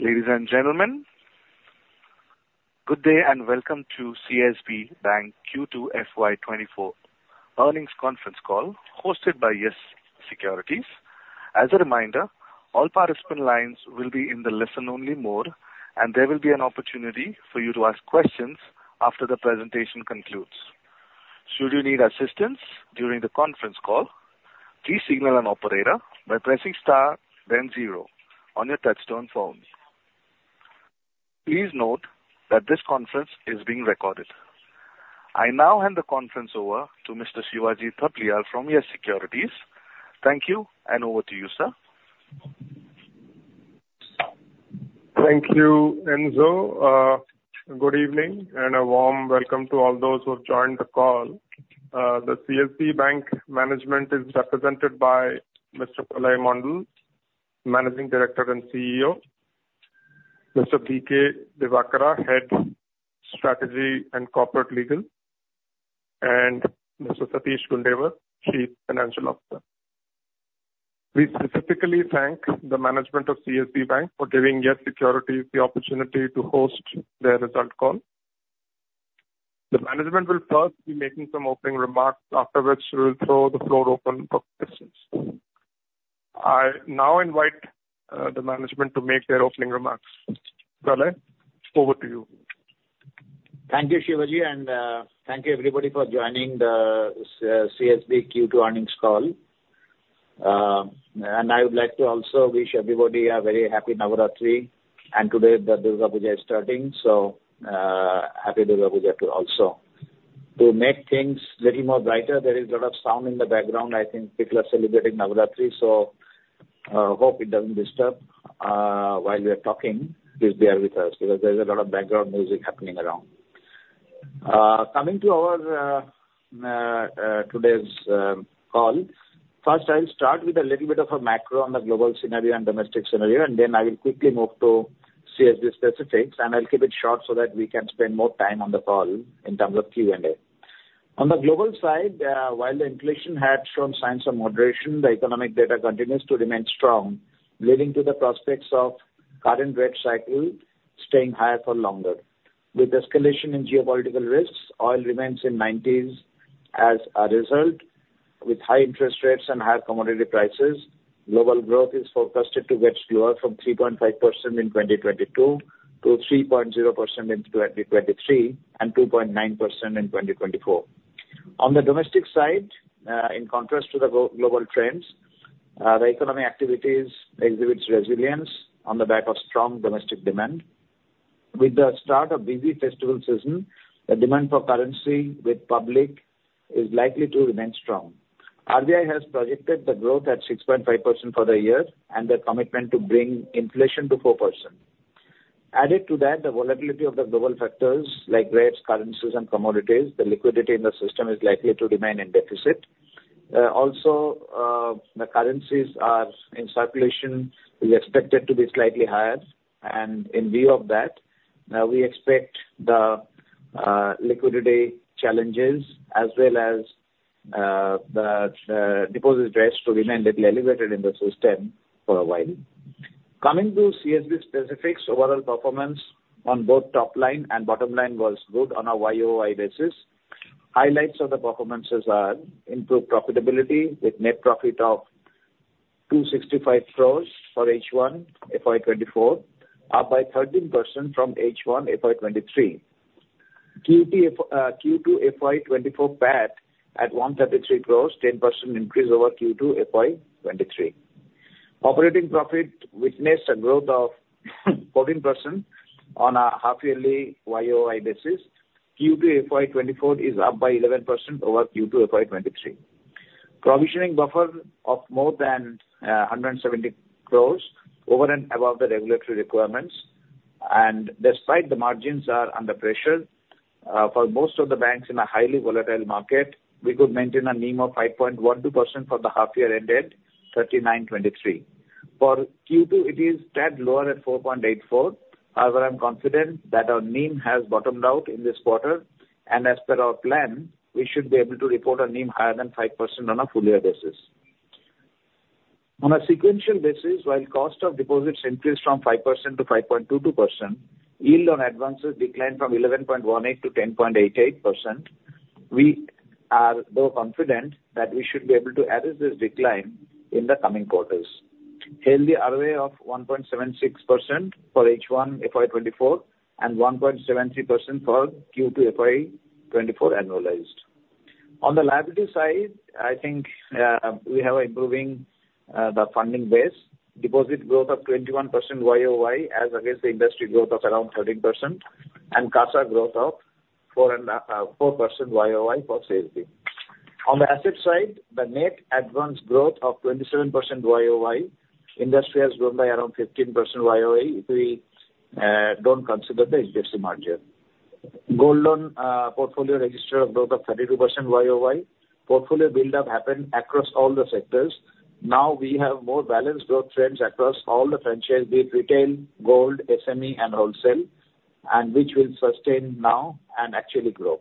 Ladies and gentlemen, good day, and welcome to CSB Bank Q2 FY 2024 earnings conference call, hosted by YES Securities. As a reminder, all participant lines will be in the listen-only mode, and there will be an opportunity for you to ask questions after the presentation concludes. Should you need assistance during the conference call, please signal an operator by pressing star then zero on your touchtone phone. Please note that this conference is being recorded. I now hand the conference over to Mr. Shivaji Thapliyal from YES Securities. Thank you, and over to you, sir. Thank you, Enzo. Good evening, and a warm welcome to all those who have joined the call. The CSB Bank management is represented by Mr. Pralay Mondal, Managing Director and CEO; Mr. B. K. Divakara, Head, Strategy and Corporate Legal; and Mr. Satish Gundewar, Chief Financial Officer. We specifically thank the management of CSB Bank for giving YES Securities the opportunity to host their results call. The management will first be making some opening remarks, after which we will throw the floor open for questions. I now invite the management to make their opening remarks. Pralay, over to you. Thank you, Shivaji, and, thank you, everybody, for joining the, CSB Q2 earnings call. And I would like to also wish everybody a very happy Navaratri, and today the Durga Puja is starting, so, happy Durga Puja too, also. To make things little more brighter, there is a lot of sound in the background. I think people are celebrating Navaratri, so, hope it doesn't disturb, while we are talking. Please bear with us, because there is a lot of background music happening around. Coming to our, today's call. First, I'll start with a little bit of a macro on the global scenario and domestic scenario, and then I will quickly move to CSB specifics, and I'll keep it short so that we can spend more time on the call in terms of Q&A. On the global side, while the inflation had shown signs of moderation, the economic data continues to remain strong, leading to the prospects of current rate cycle staying higher for longer. With escalation in geopolitical risks, oil remains in the 90s as a result. With high interest rates and high commodity prices, global growth is forecasted to get slower from 3.5% in 2022-3.0% in 2023, and 2.9% in 2024. On the domestic side, in contrast to the global trends, the economic activities exhibits resilience on the back of strong domestic demand. With the start of busy festival season, the demand for currency with public is likely to remain strong. RBI has projected the growth at 6.5% for the year, and the commitment to bring inflation to 4%. Added to that, the volatility of the global factors like rates, currencies, and commodities, the liquidity in the system is likely to remain in deficit. Also, the currencies are in circulation is expected to be slightly higher, and in view of that, we expect the liquidity challenges as well as the deposit rates to remain little elevated in the system for a while. Coming to CSB specifics, overall performance on both top line and bottom line was good on a YOY basis. Highlights of the performances are improved profitability with net profit of 265 crore for H1 FY 2024, up by 13% from H1 FY 2023. Q2 FY 2024 PAT at 133 crore, 10% increase over Q2 FY 2023. Operating profit witnessed a growth of 14% on a half yearly YOY basis. Q2 FY 2024 is up by 11% over Q2 FY 2023. Provisioning buffer of more than 170 crores over and above the regulatory requirements. And despite the margins are under pressure for most of the banks in a highly volatile market, we could maintain a NIM of 5.12% for the half year ended 30 September 2023. For Q2, it is tad lower at 4.84%. However, I'm confident that our NIM has bottomed out in this quarter, and as per our plan, we should be able to report our NIM higher than 5% on a full year basis. On a sequential basis, while cost of deposits increased from 5%-5.22%, yield on advances declined from 11.18%-10.88%. We are, though, confident that we should be able to erase this decline in the coming quarters. Healthy RWA of 1.76% for H1 FY 2024, and 1.73% for Q2 FY 2024 annualized. On the liability side, I think, we have improving the funding base. Deposit growth of 21% YOY, as against the industry growth of around 13%, and CASA growth of 4% and 4% YOY for CSB. On the asset side, the net advance growth of 27% YOY. Industry has grown by around 15% YOY, if we don't consider the industry merger. Gold loan portfolio registered a growth of 32% YOY. Portfolio buildup happened across all the sectors. Now, we have more balanced growth trends across all the franchise, be it retail, gold, SME, and wholesale, and which will sustain now and actually grow.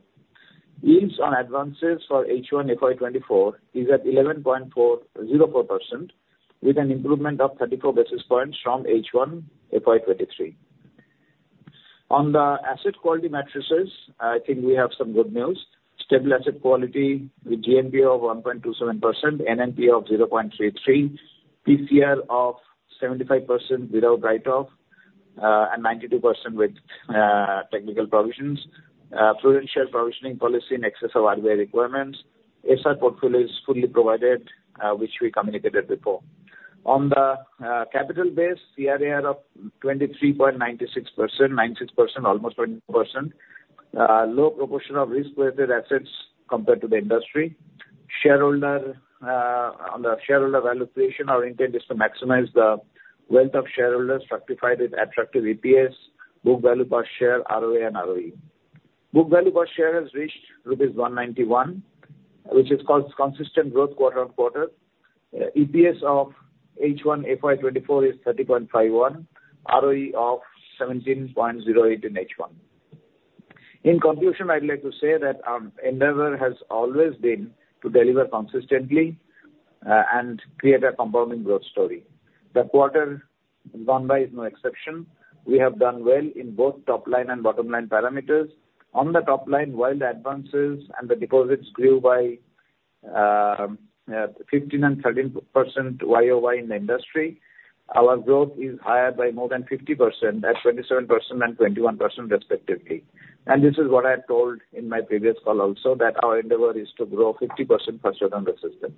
Yields on advances for H1 FY 2024 is at 11.04%, with an improvement of 34 basis points from H1 FY 2023. On the asset quality metrics, I think we have some good news. Stable asset quality with GNPA of 1.27%, NNPA of 0.33%, PCR of 75% without write-off, and 92% with technical provisions. Prudential provisioning policy in excess of RWA requirements. SR portfolio is fully provided, which we communicated before. On the capital base, CRAR of 23.96%, 96%, almost 20%. Low proportion of risk-weighted assets compared to the industry. Shareholder, on the shareholder value creation, our intent is to maximize the wealth of shareholders fructified with attractive EPS, book value per share, ROA and ROE. Book value per share has reached rupees 191, which is called consistent growth quarter-on-quarter. EPS of H1, FY 2024, is 30.51, ROE of 17.08 in H1. In conclusion, I'd like to say that our endeavor has always been to deliver consistently, and create a compounding growth story. The quarter gone by is no exception. We have done well in both top line and bottom line parameters. On the top line, while the advances and the deposits grew by 15% and 13% YOY in the industry, our growth is higher by more than 50%, at 27% and 21%, respectively. This is what I had told in my previous call also, that our endeavor is to grow 50% faster than the system.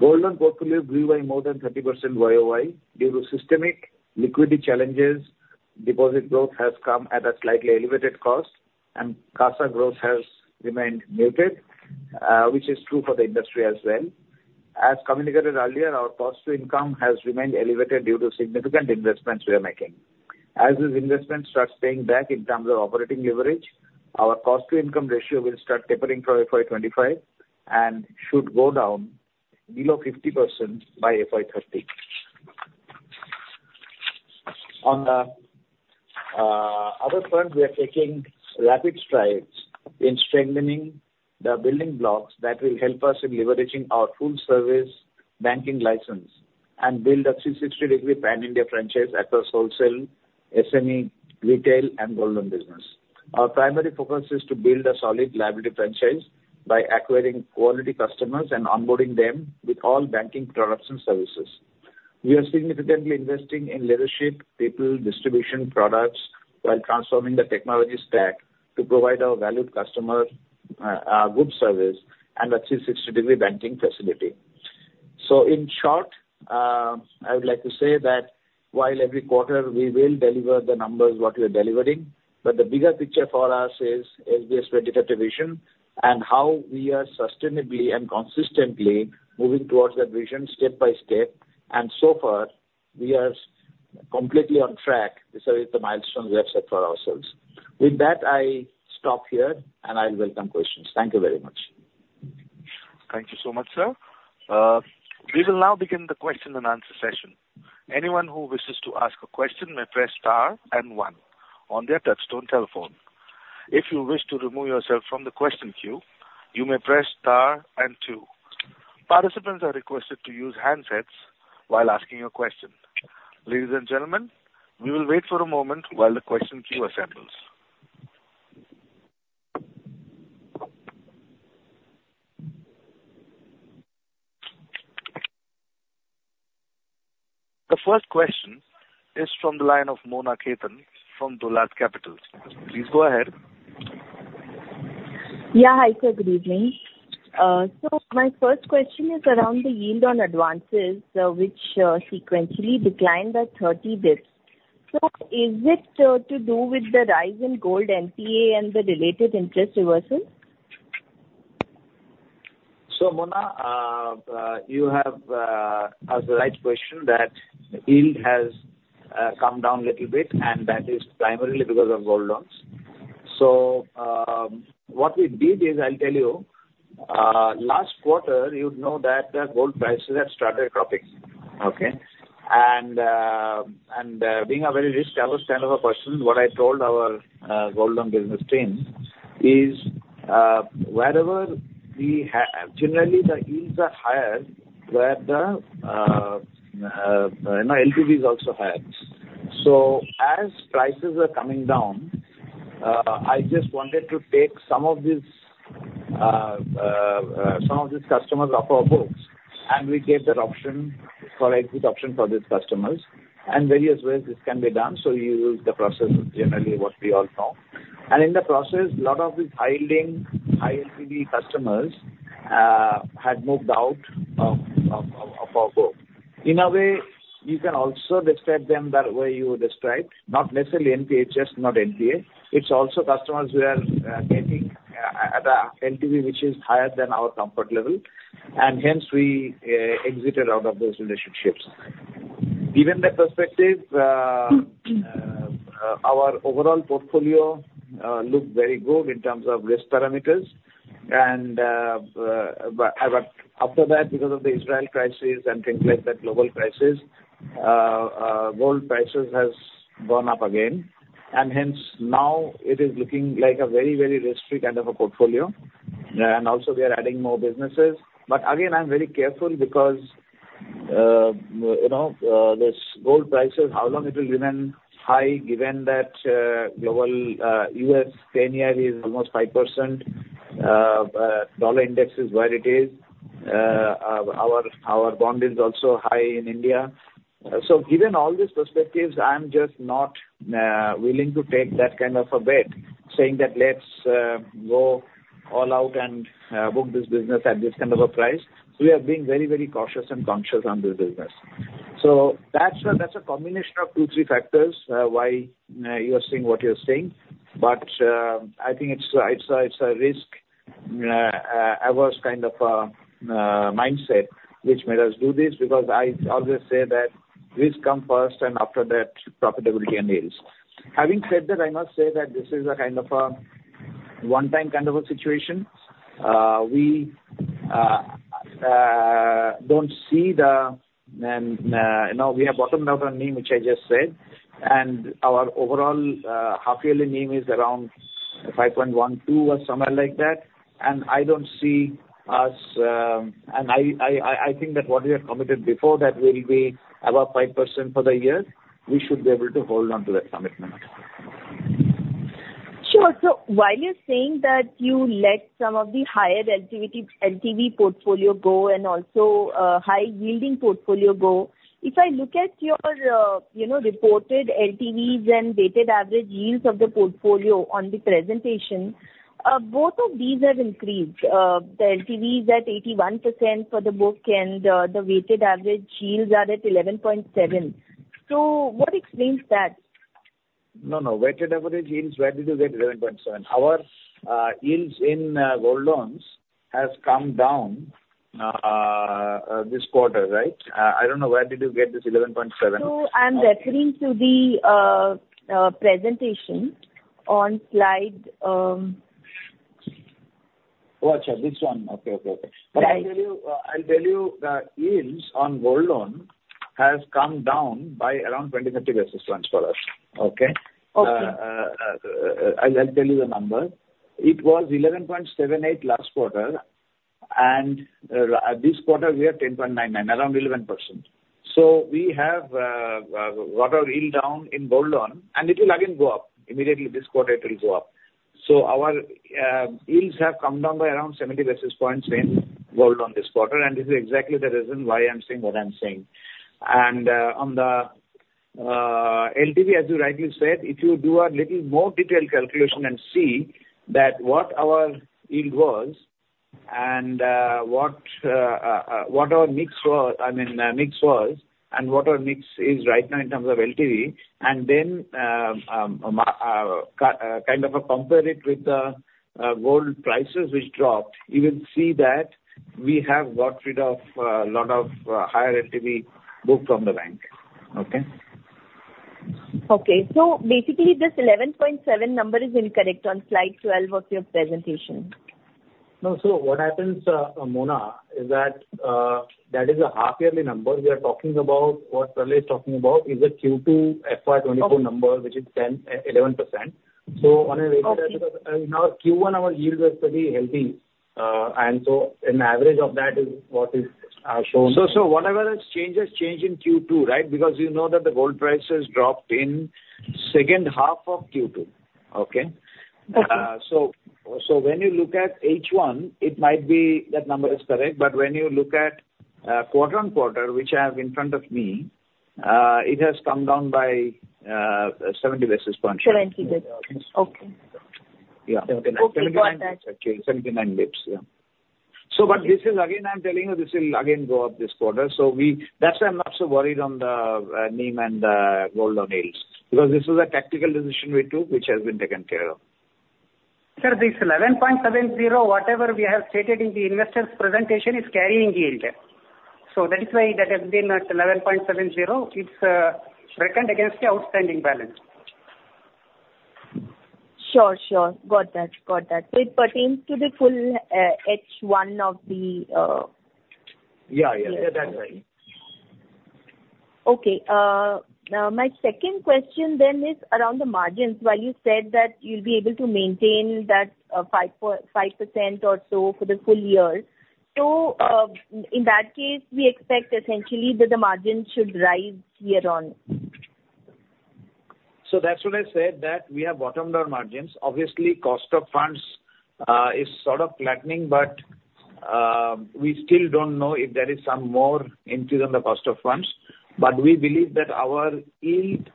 Gold loan portfolio grew by more than 30% Y-O-Y. Due to systemic liquidity challenges, deposit growth has come at a slightly elevated cost, and CASA growth has remained muted, which is true for the industry as well. As communicated earlier, our cost to income has remained elevated due to significant investments we are making. As these investments start paying back in terms of operating leverage, our cost to income ratio will start tapering for FY 2025 and should go down below 50% by FY 2030. On the other front, we are taking rapid strides in strengthening the building blocks that will help us in leveraging our full service banking license and build a 360-degree pan-India franchise across wholesale, SME, retail, and gold loan business. Our primary focus is to build a solid liability franchise by acquiring quality customers and onboarding them with all banking products and services. We are significantly investing in leadership, people, distribution, products, while transforming the technology stack to provide our valued customer a good service and a 360-degree banking facility. So in short, I would like to say that while every quarter we will deliver the numbers what we are delivering, but the bigger picture for us is this strategic vision, and how we are sustainably and consistently moving towards that vision step by step, and so far, we are completely on track to achieve the milestones we have set for ourselves. With that, I stop here, and I will welcome questions. Thank you very much. Thank you so much, sir. We will now begin the question-and-answer session. Anyone who wishes to ask a question may press star and one on their touchtone telephone. If you wish to remove yourself from the question queue, you may press star and two. Participants are requested to use handsets while asking a question. Ladies and gentlemen, we will wait for a moment while the question queue assembles. The first question is from the line of Mona Khetan from Dolat Capital. Please go ahead. Yeah, hi, sir, good evening. So my first question is around the yield on advances, which sequentially declined by 30 basis points. So is it to do with the rise in gold NPA and the related interest reversals? So, Mona, you have asked the right question, that yield has come down a little bit, and that is primarily because of gold loans. So, what we did is, I'll tell you, last quarter, you'd know that the gold prices had started dropping, okay? And, being a very risk-averse kind of a person, what I told our gold loan business team is, wherever we have-- generally, the yields are higher, where the, you know, LTV is also higher. So as prices are coming down, I just wanted to take some of these, some of these customers off our books, and we gave that option, for a good option for these customers, and various ways this can be done, so you use the process generally what we all know. In the process, a lot of these high-yielding, high LTV customers had moved out of our book. In a way, you can also describe them the way you described, not necessarily NPA, just not NPA. It's also customers who are getting at a LTV, which is higher than our comfort level, and hence we exited out of those relationships. Given the perspective, Mm-hmm. Our overall portfolio looked very good in terms of risk parameters, and but after that, because of the Israel crisis and things like that, global crisis, gold prices has gone up again, and hence now it is looking like a very, very risky kind of a portfolio. And also we are adding more businesses. But again, I'm very careful because, you know, this gold prices, how long it will remain high, given that global U.S. 10-year is almost 5%, dollar index is where it is, our bond is also high in India. So given all these perspectives, I'm just not willing to take that kind of a bet, saying that let's go all out and book this business at this kind of a price. So we are being very, very cautious and conscious on this business. So that's a, that's a combination of two, three factors, why you are seeing what you are seeing. But, I think it's a, it's a, it's a risk-averse kind of, mindset which made us do this, because I always say that risk come first, and after that, profitability and yields. Having said that, I must say that this is a kind of a one-time kind of a situation. We don't see the, you know, we have bottomed out on NIM, which I just said, and our overall, half-yearly NIM is around 5.12 or somewhere like that, and I don't see us... I think that what we have committed before, that will be above 5% for the year, we should be able to hold on to that commitment. Sure. So while you're saying that you let some of the higher LTV, LTV portfolio go and also, high-yielding portfolio go, if I look at your, you know, reported LTVs and weighted average yields of the portfolio on the presentation, the LTV is at 81% for the book, and, the weighted average yields are at 11.7. So what explains that? No, no. Weighted average yields, where did you get 11.7? Our yields in gold loans has come down this quarter, right? I don't know, where did you get this 11.7? I'm referring to the presentation on slide. Oh, got you. This one. Okay, okay, okay. Right. I'll tell you, I'll tell you, the yields on gold loan has come down by around 20-30 basis points for us, okay? Okay. I'll tell you the number. It was 11.78 last quarter, and at this quarter, we are 10.99, around 11%. So we have brought our yield down in gold loan, and it will again go up. Immediately this quarter it will go up. So our yields have come down by around 70 basis points in gold loan this quarter, and this is exactly the reason why I'm saying what I'm saying. And, on the LTV, as you rightly said, if you do a little more detailed calculation and see what our yield was and what our mix was, I mean, mix was, and what our mix is right now in terms of LTV, and then kind of a compare it with the gold prices which dropped, you will see that we have got rid of a lot of higher LTV book from the bank. Okay? Okay. So basically, this 11.7 number is incorrect on slide 12 of your presentation. No. So what happens, Mona, is that, that is a half-yearly number. We are talking about, what Pralay is talking about is the Q2 FY 2024 number- Okay. - which is 10%, 11%. So on a weighted average- Okay. Now, Q1 our yield was pretty healthy, and so an average of that is what is shown. So, whatever has changed has changed in Q2, right? Because you know that the gold prices dropped in the second half of Q2. Okay? Okay. When you look at H1, it might be that number is correct, but when you look at quarter-on-quarter, which I have in front of me, it has come down by 70 basis points. 70, good. Okay. Yeah. Seventy-nine. Okay, got that. 79 basis, yeah. So but this is again, I'm telling you, this will again go up this quarter, so we. That's why I'm not so worried on the, NIM and the gold loan yields, because this was a tactical decision we took, which has been taken care of. Sir, this 11.70, whatever we have stated in the investors' presentation, is carrying yield. So that is why that has been at 11.70. It's reckoned against the outstanding balance. Sure, sure. Got that, got that. It pertains to the full, H1 of the, Yeah, yeah. Yeah. That's right. Okay, my second question then is around the margins. While you said that you'll be able to maintain that, 5.5% or so for the full year, so, in that case, we expect essentially that the margin should rise year on. So that's what I said, that we have bottomed our margins. Obviously, cost of funds is sort of flattening, but we still don't know if there is some more increase on the cost of funds. But we believe that our yield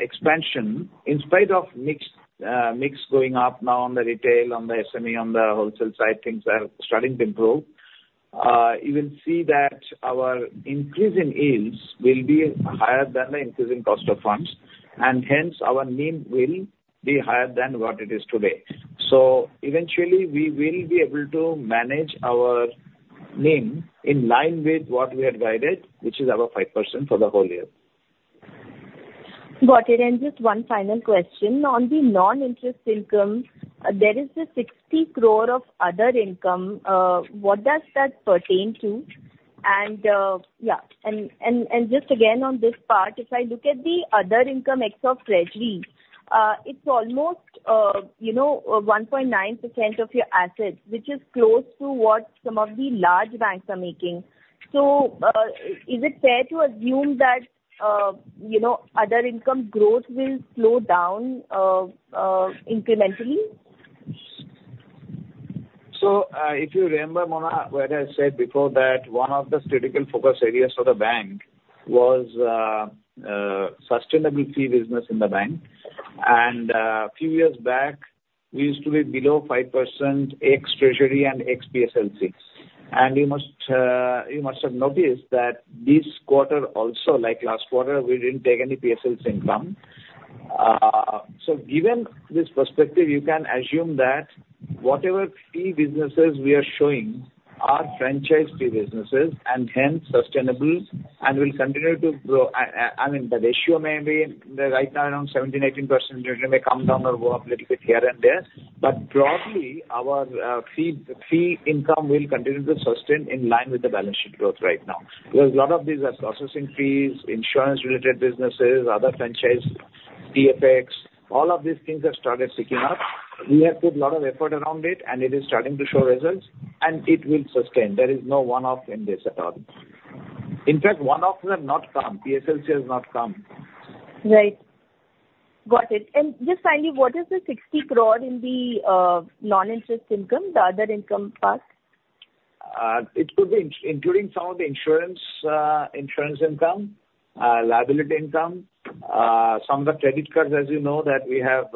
expansion, in spite of mix, mix going up now on the retail, on the SME, on the wholesale side, things are starting to improve. You will see that our increase in yields will be higher than the increase in cost of funds, and hence, our NIM will be higher than what it is today. So eventually, we will be able to manage our NIM in line with what we had guided, which is above 5% for the whole year.... Got it. And just one final question. On the non-interest income, there is the 60 crore of other income. What does that pertain to? And, yeah, and, and, and just again on this part, if I look at the other income ex of treasury, it's almost, you know, 1.9% of your assets, which is close to what some of the large banks are making. So, is it fair to assume that, you know, other income growth will slow down, incrementally? So, if you remember, Mona, what I said before that one of the critical focus areas for the bank was sustainable fee business in the bank. And a few years back, we used to be below 5% ex-treasury and ex-PSLC. And you must have noticed that this quarter also, like last quarter, we didn't take any PSLC income. So given this perspective, you can assume that whatever fee businesses we are showing are franchise fee businesses and hence sustainable and will continue to grow. I mean, the ratio may be right now around 17%-18%, generally may come down or go up a little bit here and there, but broadly, our fee income will continue to sustain in line with the balance sheet growth right now. Because a lot of these are processing fees, insurance-related businesses, other franchise, TFX, all of these things have started picking up. We have put a lot of effort around it, and it is starting to show results, and it will sustain. There is no one-off in this at all. In fact, one-offs have not come. PSLC has not come. Right. Got it. And just finally, what is the 60 crore in the non-interest income, the other income part? It could be including some of the insurance income, liability income, some of the credit cards, as you know, that we have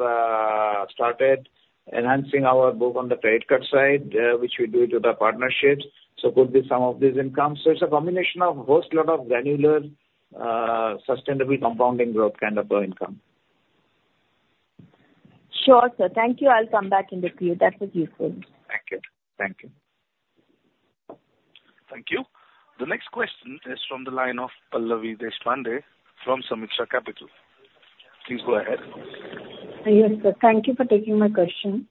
started enhancing our book on the credit card side, which we do through the partnerships, so could be some of this income. So it's a combination of a host lot of granular, sustainable compounding growth kind of income. Sure, sir. Thank you. I'll come back in the queue. That was useful. Thank you. Thank you. Thank you. The next question is from the line of Pallavi Deshpande from Sameeksha Capital. Please go ahead. Yes, sir. Thank you for taking my question.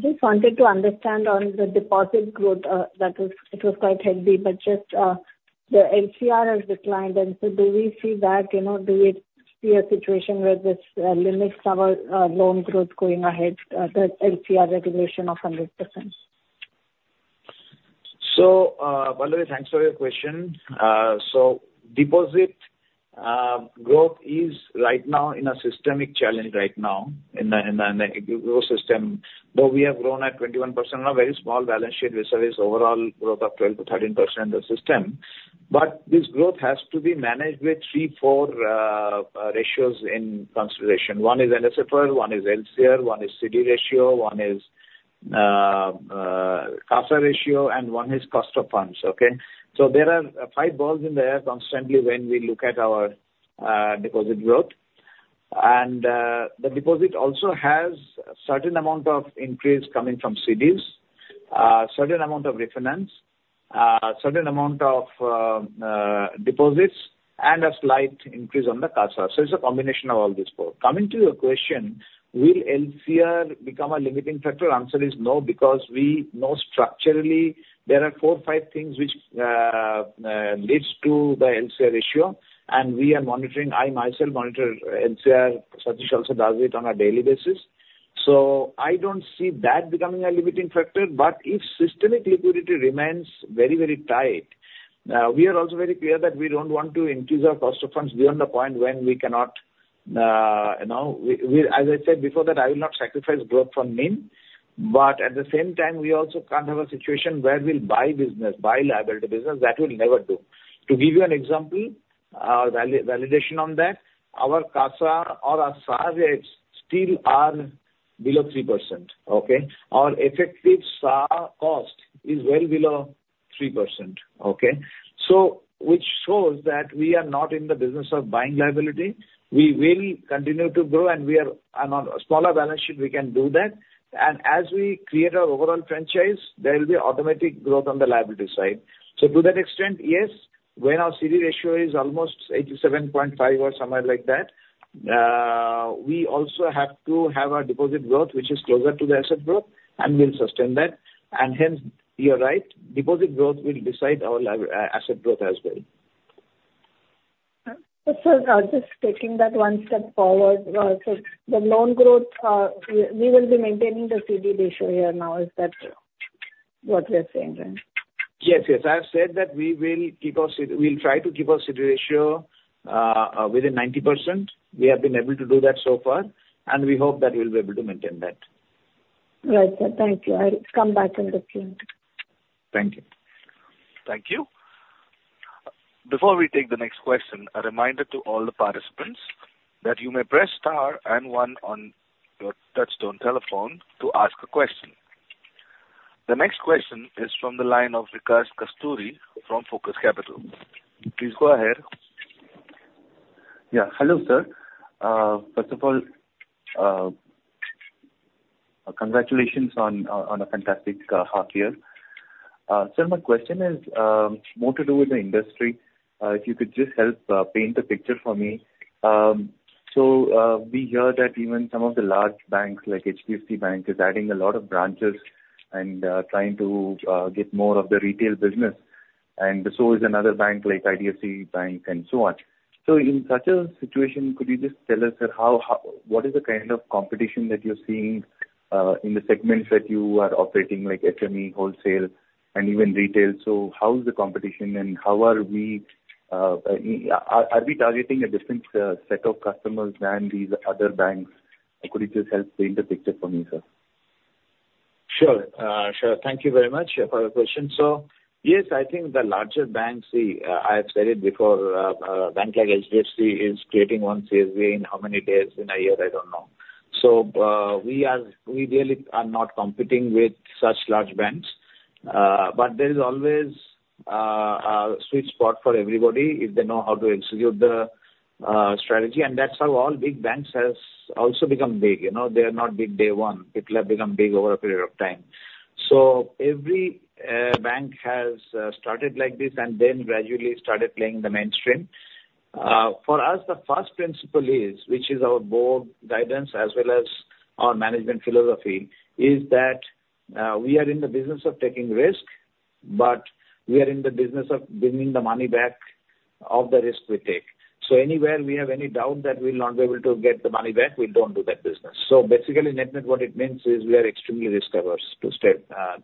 Just wanted to understand on the deposit growth, that was, it was quite healthy, but just, the LCR has declined, and so do we see that, you know, do we see a situation where this limits our loan growth going ahead, the LCR regulation of 100%? So, Pallavi, thanks for your question. So deposit growth is right now in a systemic challenge right now, in the growth system. Though we have grown at 21%, a very small balance sheet reserve is overall growth of 12%-13% in the system. But this growth has to be managed with three, four ratios in consideration. One is NSFR, one is LCR, one is CD ratio, one is CASA ratio, and one is cost of funds, okay? So there are five balls in the air constantly when we look at our deposit growth. And the deposit also has a certain amount of increase coming from CDs, certain amount of refinance, certain amount of deposits, and a slight increase on the CASA. So it's a combination of all these four. Coming to your question, will LCR become a limiting factor? Answer is no, because we know structurally there are four, five things which leads to the LCR ratio, and we are monitoring. I myself monitor LCR, Satish also does it on a daily basis. So I don't see that becoming a limiting factor, but if systemic liquidity remains very, very tight, we are also very clear that we don't want to increase our cost of funds beyond the point when we cannot, you know... We, as I said before, that I will not sacrifice growth for NIM, but at the same time, we also can't have a situation where we'll buy business, buy liability business. That we'll never do. To give you an example, validation on that, our CASA or our SA rates still are below 3%, okay? Our effective SA cost is well below 3%, okay? So which shows that we are not in the business of buying liability. We will continue to grow, and we are on a smaller balance sheet, we can do that. And as we create our overall franchise, there will be automatic growth on the liability side. So to that extent, yes, when our CD ratio is almost 87.5 or somewhere like that, we also have to have our deposit growth, which is closer to the asset growth, and we'll sustain that. And hence, you're right, deposit growth will decide our asset growth as well. Sir, just taking that one step forward. So the loan growth, we will be maintaining the CD ratio here now, is that what we are saying then? Yes, yes. I have said that we will keep our CD... We'll try to keep our CD ratio within 90%. We have been able to do that so far, and we hope that we'll be able to maintain that. Right, sir. Thank you. I'll come back in the queue. Thank you. Thank you. Before we take the next question, a reminder to all the participants that you may press star and one on your touchtone telephone to ask a question. The next question is from the line of Vikas Kasturi from Focus Capital. Please go ahead. Yeah. Hello, sir. First of all, congratulations on a fantastic half year. Sir, my question is more to do with the industry. If you could just help paint the picture for me. So, we hear that even some of the large banks, like HDFC Bank, is adding a lot of branches and trying to get more of the retail business, and so is another bank, like IDFC Bank, and so on. So in such a situation, could you just tell us, sir, how—what is the kind of competition that you're seeing in the segments that you are operating, like SME, wholesale, and even retail? So how is the competition, and how are we targeting a different set of customers than these other banks? Could you just help paint the picture for me, sir? Sure. Sure. Thank you very much for the question. So, yes, I think the larger banks, see, I have said it before, bank like HDFC is creating one CBS in how many days in a year? I don't know. So, we really are not competing with such large banks. But there is always a sweet spot for everybody if they know how to execute the strategy, and that's how all big banks has also become big. You know, they are not big day one. People have become big over a period of time. So every bank has started like this and then gradually started playing the mainstream. For us, the first principle is, which is our board guidance as well as our management philosophy, is that, we are in the business of taking risk, but we are in the business of bringing the money back of the risk we take. So anywhere we have any doubt that we'll not be able to get the money back, we don't do that business. So basically, net, net, what it means is we are extremely risk-averse, to stay,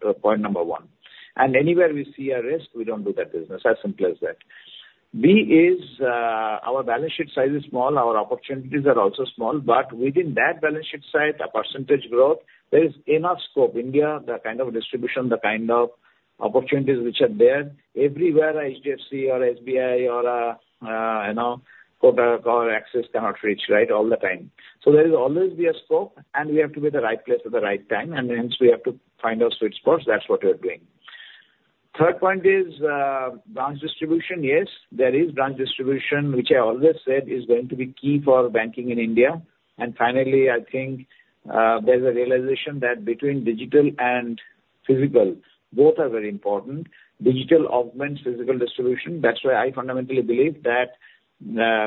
to point number one. And anywhere we see a risk, we don't do that business, as simple as that. B is, our balance sheet size is small, our opportunities are also small, but within that balance sheet size, the percentage growth, there is enough scope. India, the kind of distribution, the kind of opportunities which are there, everywhere a HDFC or SBI or a, you know, Kotak or Axis cannot reach, right? All the time. So there will always be a scope, and we have to be at the right place at the right time, and hence we have to find our sweet spots. That's what we are doing. Third point is, branch distribution. Yes, there is branch distribution, which I always said is going to be key for banking in India. And finally, I think, there's a realization that between digital and physical, both are very important. Digital augments physical distribution. That's why I fundamentally believe that,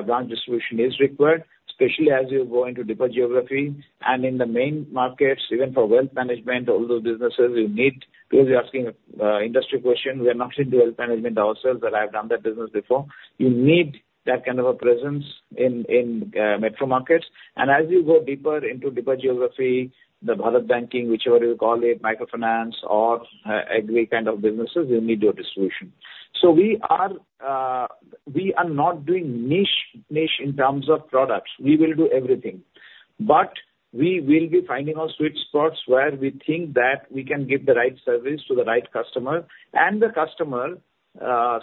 branch distribution is required, especially as you go into deeper geography and in the main markets, even for wealth management, all those businesses you need. Because you're asking, industry question, we are not into wealth management ourselves, but I've done that business before. You need that kind of a presence in, in, metro markets. And as you go deeper into geography, the Bharat banking, whichever you call it, microfinance or, agri kind of businesses, you need your distribution. So we are not doing niche in terms of products. We will do everything, but we will be finding our sweet spots where we think that we can give the right service to the right customer, and the customer,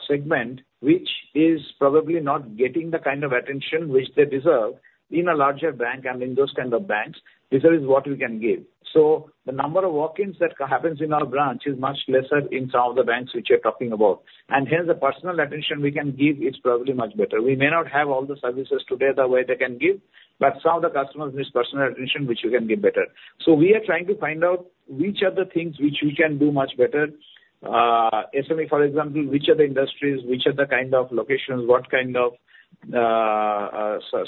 segment, which is probably not getting the kind of attention which they deserve in a larger bank and in those kind of banks, this is what we can give. So the number of walk-ins that happens in our branch is much lesser in some of the banks which you're talking about. And here, the personal attention we can give is probably much better. We may not have all the services today, the way they can give, but some of the customers miss personal attention, which we can give better. So we are trying to find out which are the things which we can do much better. SME, for example, which are the industries, which are the kind of locations, what kind of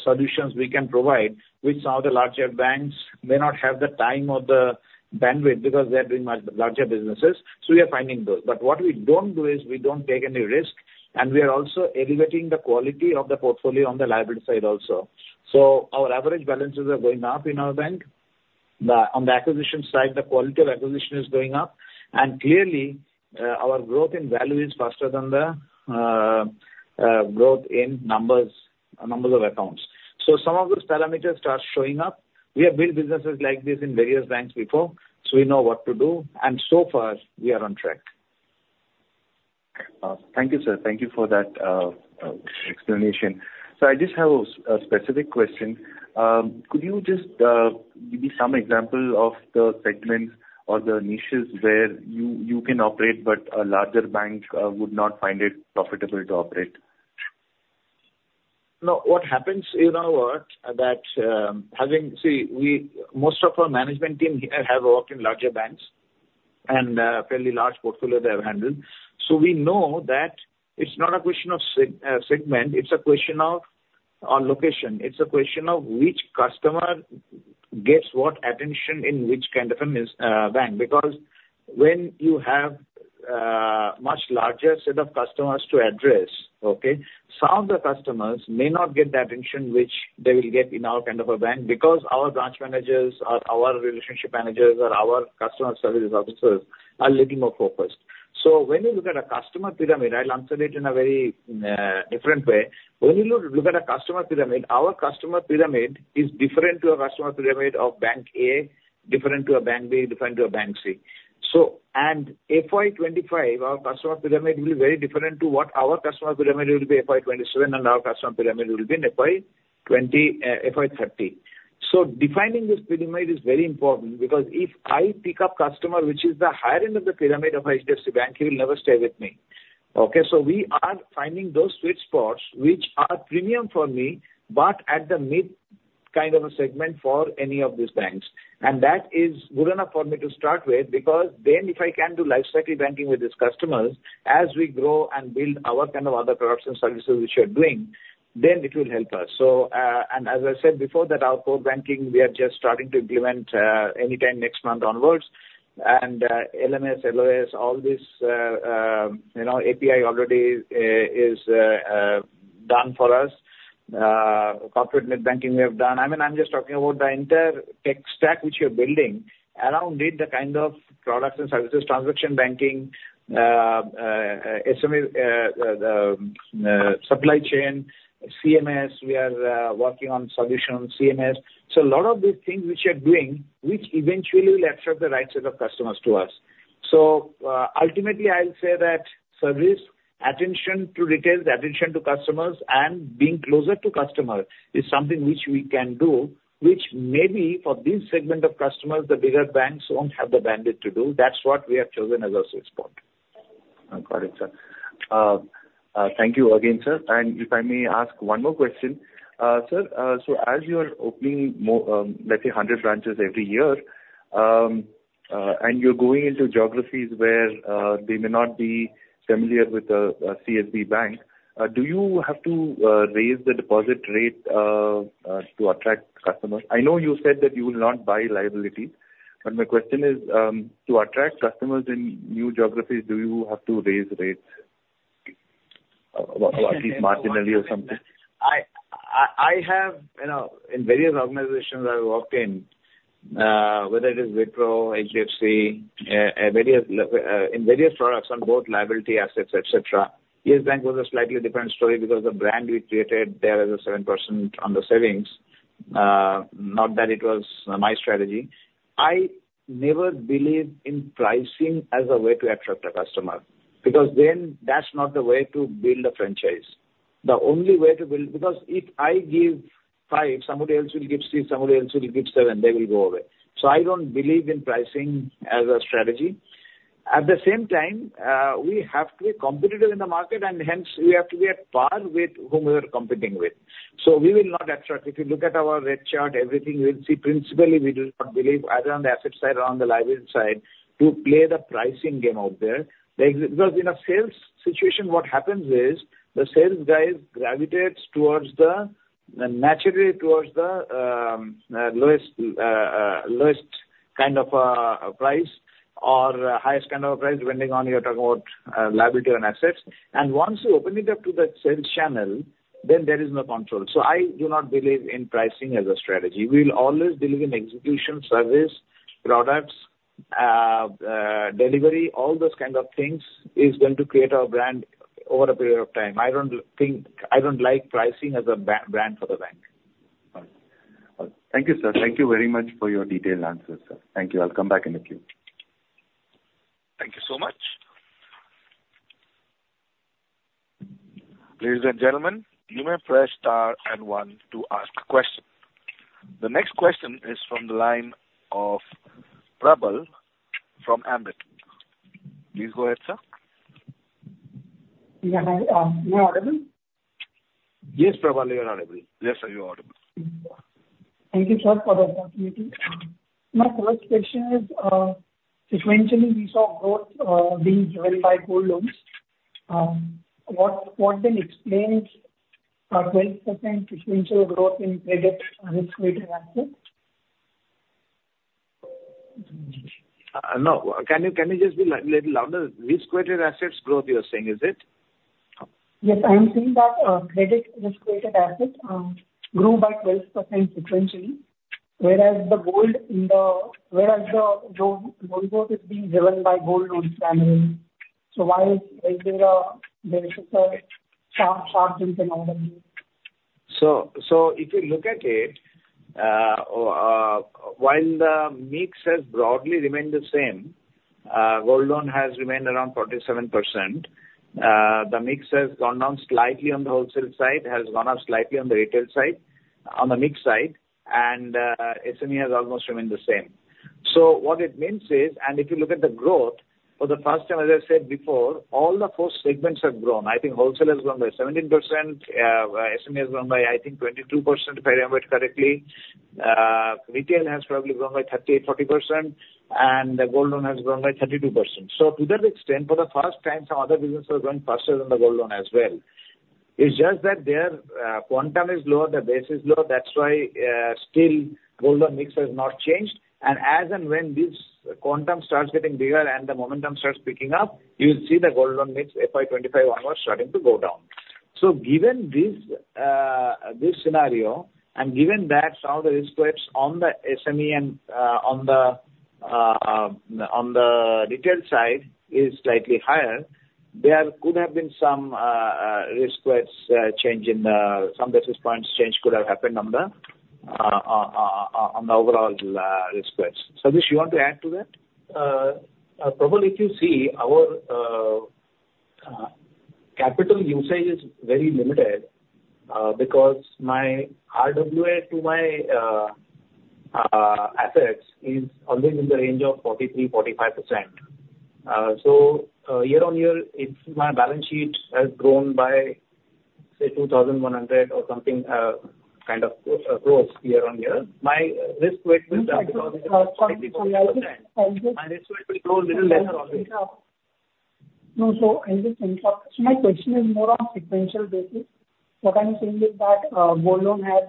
solutions we can provide, which some of the larger banks may not have the time or the bandwidth because they are doing much larger businesses, so we are finding those. But what we don't do is we don't take any risk, and we are also elevating the quality of the portfolio on the liability side also. So our average balances are going up in our bank. Then, on the acquisition side, the quality of acquisition is going up, and clearly, our growth in value is faster than the, growth in numbers, numbers of accounts. So some of those parameters start showing up. We have built businesses like this in various banks before, so we know what to do, and so far, we are on track. Thank you, sir. Thank you for that, explanation. So I just have a specific question. Could you just give me some example of the segments or the niches where you can operate but a larger bank would not find it profitable to operate? No, what happens in our, that, having... See, we, most of our management team here have worked in larger banks, and, fairly large portfolio they have handled. We know that it's not a question of segment, it's a question of location. It's a question of which customer gets what attention in which kind of a mis- bank. Because when you have, much larger set of customers to address, some of the customers may not get the attention which they will get in our kind of a bank, because our branch managers or our relationship managers or our customer service officers are a little more focused. When you look at a customer pyramid, I'll answer it in a very, different way. When you look at a customer pyramid, our customer pyramid is different to a customer pyramid of bank A, different to a bank B, different to a bank C. So, in FY 2025, our customer pyramid will be very different to what our customer pyramid will be in FY 2030. So defining this pyramid is very important, because if I pick up customer, which is the higher end of the pyramid of HDFC Bank, he will never stay with me.... Okay, so we are finding those sweet spots which are premium for me, but at the mid kind of a segment for any of these banks. That is good enough for me to start with, because then if I can do life cycle banking with these customers, as we grow and build our kind of other products and services which we are doing, then it will help us. So, as I said before, that our core banking we are just starting to implement anytime next month onwards. LMS, LOS, all this, you know, API already is done for us. Corporate net banking we have done. I mean, I'm just talking about the entire tech stack which we are building around it, the kind of products and services, transaction banking, SME, supply chain, CMS, we are working on solution on CMS. So a lot of these things which we are doing, which eventually will attract the right set of customers to us. So, ultimately, I'll say that service, attention to retail, attention to customers, and being closer to customer is something which we can do, which maybe for this segment of customers, the bigger banks won't have the bandwidth to do. That's what we have chosen as our sweet spot. I've got it, sir. Thank you again, sir. If I may ask one more question. Sir, so as you are opening more, let's say 100 branches every year, and you're going into geographies where they may not be familiar with the CSB Bank, do you have to raise the deposit rate to attract customers? I know you said that you will not buy liability, but my question is, to attract customers in new geographies, do you have to raise rates at least marginally or something? I have, you know, in various organizations I've worked in, whether it is Wipro, HDFC, at various levels, in various products on both liability, assets, et cetera. Yes Bank was a slightly different story because the brand we created there as a 7% on the savings, not that it was my strategy. I never believe in pricing as a way to attract a customer, because then that's not the way to build a franchise. The only way to build... Because if I give five, somebody else will give six, somebody else will give seven, they will go away. So I don't believe in pricing as a strategy. At the same time, we have to be competitive in the market, and hence, we have to be at par with whom we are competing with. So we will not attract. If you look at our rate chart, everything, you will see principally, we do not believe either on the asset side or on the liability side, to play the pricing game out there. Because in a sales situation, what happens is, the sales guy gravitates towards the, naturally towards the, lowest kind of, price or highest kind of price, depending on you're talking about, liability and assets. And once you open it up to the sales channel, then there is no control. So I do not believe in pricing as a strategy. We'll always believe in execution, service, products, delivery, all those kind of things is going to create our brand over a period of time. I don't think I don't like pricing as a brand for the bank. Right. Well, thank you, sir. Thank you very much for your detailed answers, sir. Thank you. I'll come back in the queue. Thank you so much. Ladies and gentlemen, you may press star and one to ask a question. The next question is from the line of Prabal from Ambit. Please go ahead, sir. Yeah, hi. Am I audible? Yes, Prabal, you are audible. Yes, sir, you are audible. Thank you, sir, for the opportunity. My first question is, sequentially, we saw growth being driven by gold loans. What then explains a 12% sequential growth in credit risk-weighted assets? No. Can you, can you just be little louder? Risk-Weighted Assets growth, you're saying, is it? Yes, I'm saying that credit risk-weighted assets grew by 12% sequentially, whereas the loan growth is being driven by gold loans primarily. So why is there a sharp disappointment? If you look at it, while the mix has broadly remained the same, gold loan has remained around 47%. The mix has gone down slightly on the wholesale side, has gone up slightly on the retail side, on the mix side, and SME has almost remained the same. What it means is, if you look at the growth, for the first time, as I said before, all four segments have grown. I think wholesale has grown by 17%, SME has grown by, I think, 22%, if I remember it correctly. Retail has probably grown by 30%-40%, and the gold loan has grown by 32%. To that extent, for the first time, some other businesses are growing faster than the gold loan as well. It's just that their quantum is lower, the base is lower, that's why still, gold loan mix has not changed. And as and when this quantum starts getting bigger and the momentum starts picking up, you'll see the gold loan mix FY 25 onward starting to go down. So given this scenario, and given that some of the risk weights on the SME and on the retail side is slightly higher, there could have been some risk weights change in some basis points change could have happened on the overall risk weights. Satish, you want to add to that? Prabal, if you see, our capital usage is very limited, because my RWA to my assets is always in the range of 43%-45%. So, year-on-year, if my balance sheet has grown by, say, 2,100 or something, kind of, growth year-on-year, my risk weight will come down because my risk weight will grow little lesser always. No, so in the sense of, so my question is more on sequential basis. What I'm saying is that, gold loan has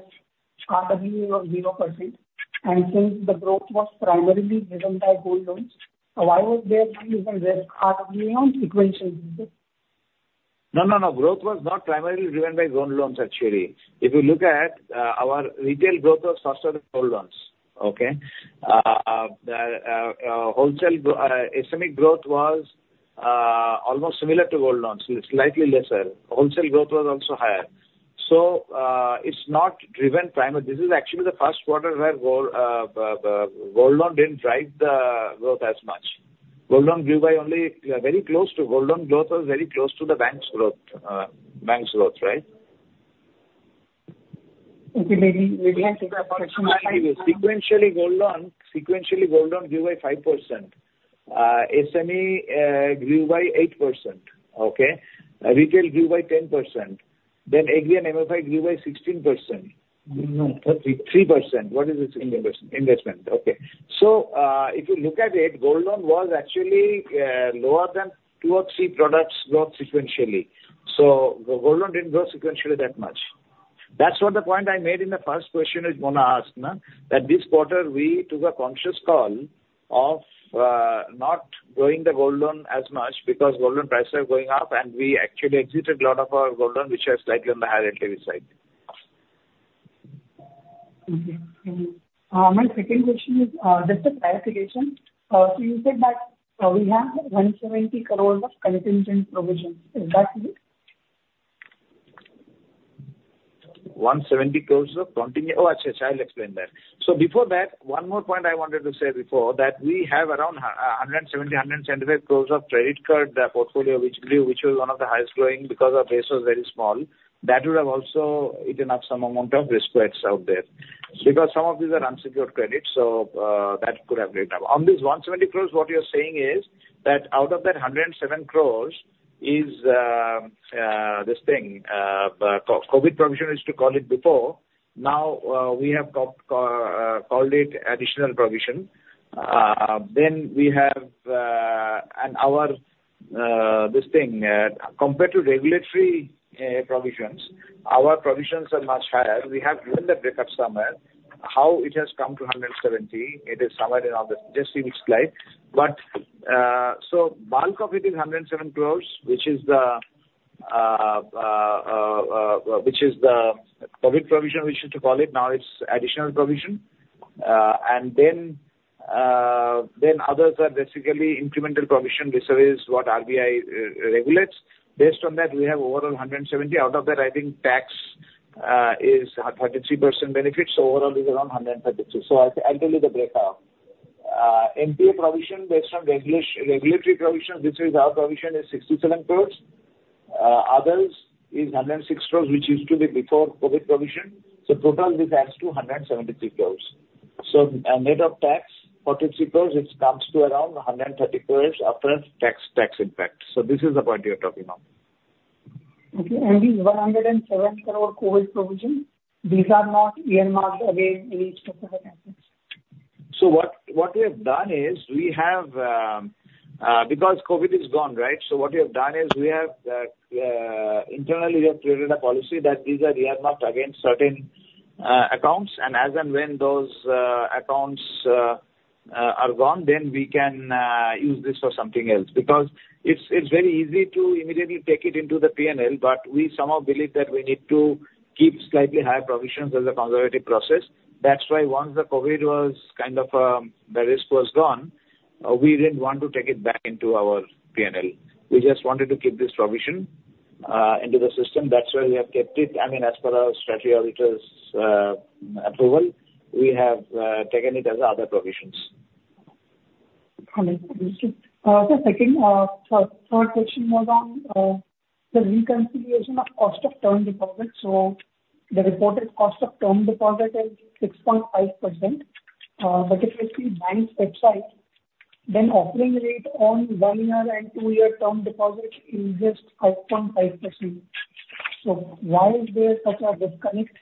haircut premium of 0%, and since the growth was primarily driven by gold loans, so why was there increase in risk haircut premium sequentially? No, no, no. Growth was not primarily driven by gold loans, actually. If you look at, our retail growth was faster than gold loans, okay? The, wholesale SME growth was, almost similar to gold loans, slightly lesser. Wholesale growth was also higher. So, it's not driven primary... This is actually the first quarter where gold, the gold loan didn't drive the growth as much. Gold loan grew by only, very close to gold loan growth was very close to the bank's growth, bank's growth, right? Okay, maybe we'll have to go for it. Sequentially, gold loan, sequentially, gold loan grew by 5%. SME grew by 8%, okay? Retail grew by 10%. Then Agri and MFI grew by 16%. No, thirty. 3%. What is this investment? Investment. Okay. So, if you look at it, gold loan was actually lower than two or three products growth sequentially. So the gold loan didn't grow sequentially that much. That's what the point I made in the first question you're gonna ask, no? That this quarter, we took a conscious call of not growing the gold loan as much because gold loan prices are going up, and we actually exited a lot of our gold loan, which was slightly on the higher interest side. Okay. Thank you. My second question is, just a clarification. So you said that, we have 170 crore of contingent provision. Is that it? 170 crores of contingent... Oh, okay, sure, I'll explain that. Before that, one more point I wanted to say, we have around 170-175 crores of credit card portfolio, which grew, which was one of the highest growing because our base was very small. That would have also eaten up some amount of risk weights out there. Because some of these are unsecured credits, that could have went up. On this 170 crores, what you're saying is, out of that 107 crores is this thing, COVID provision, we used to call it before. Now, we have called it additional provision. Then we have, and our, this thing, compared to regulatory provisions, our provisions are much higher. We have given the breakup somewhere, how it has come to 170 crore. It is somewhere in all the, just in each slide. But, so bulk of it is 107 crore, which is the, which is the COVID provision, we used to call it, now it's additional provision. And then, then others are basically incremental provision, which is what RBI regulates. Based on that, we have overall 170 crore. Out of that, I think tax is 33% benefits, so overall is around 132 crore. So I'll, I'll tell you the breakout. NPA provision based on regulatory provision, which is our provision, is 67 crore. Others is 106 crore, which used to be before COVID provision, so total we tax to 173 crore. So a net of tax, 43 crore, it comes to around 130 crore after tax, tax impact. So this is the point you're talking about. Okay. And this 107 crore COVID provision, these are not earmarked against any specific assets? So what we have done is, because COVID is gone, right? We have internally created a policy that these are earmarked against certain accounts, and as and when those accounts are gone, then we can use this for something else. Because it's very easy to immediately take it into the P&L, but we somehow believe that we need to keep slightly higher provisions as a conservative process. That's why once the COVID was kind of the risk was gone, we didn't want to take it back into our P&L. We just wanted to keep this provision into the system. That's why we have kept it. I mean, as per our statutory auditors' approval, we have taken it as other provisions. Okay. The second, third, third question was on the reconciliation of cost of term deposit. So the reported cost of term deposit is 6.5%, but if you see bank website, then offering rate on one-year and two-year term deposit is just 5.5%. So why is there such a disconnect?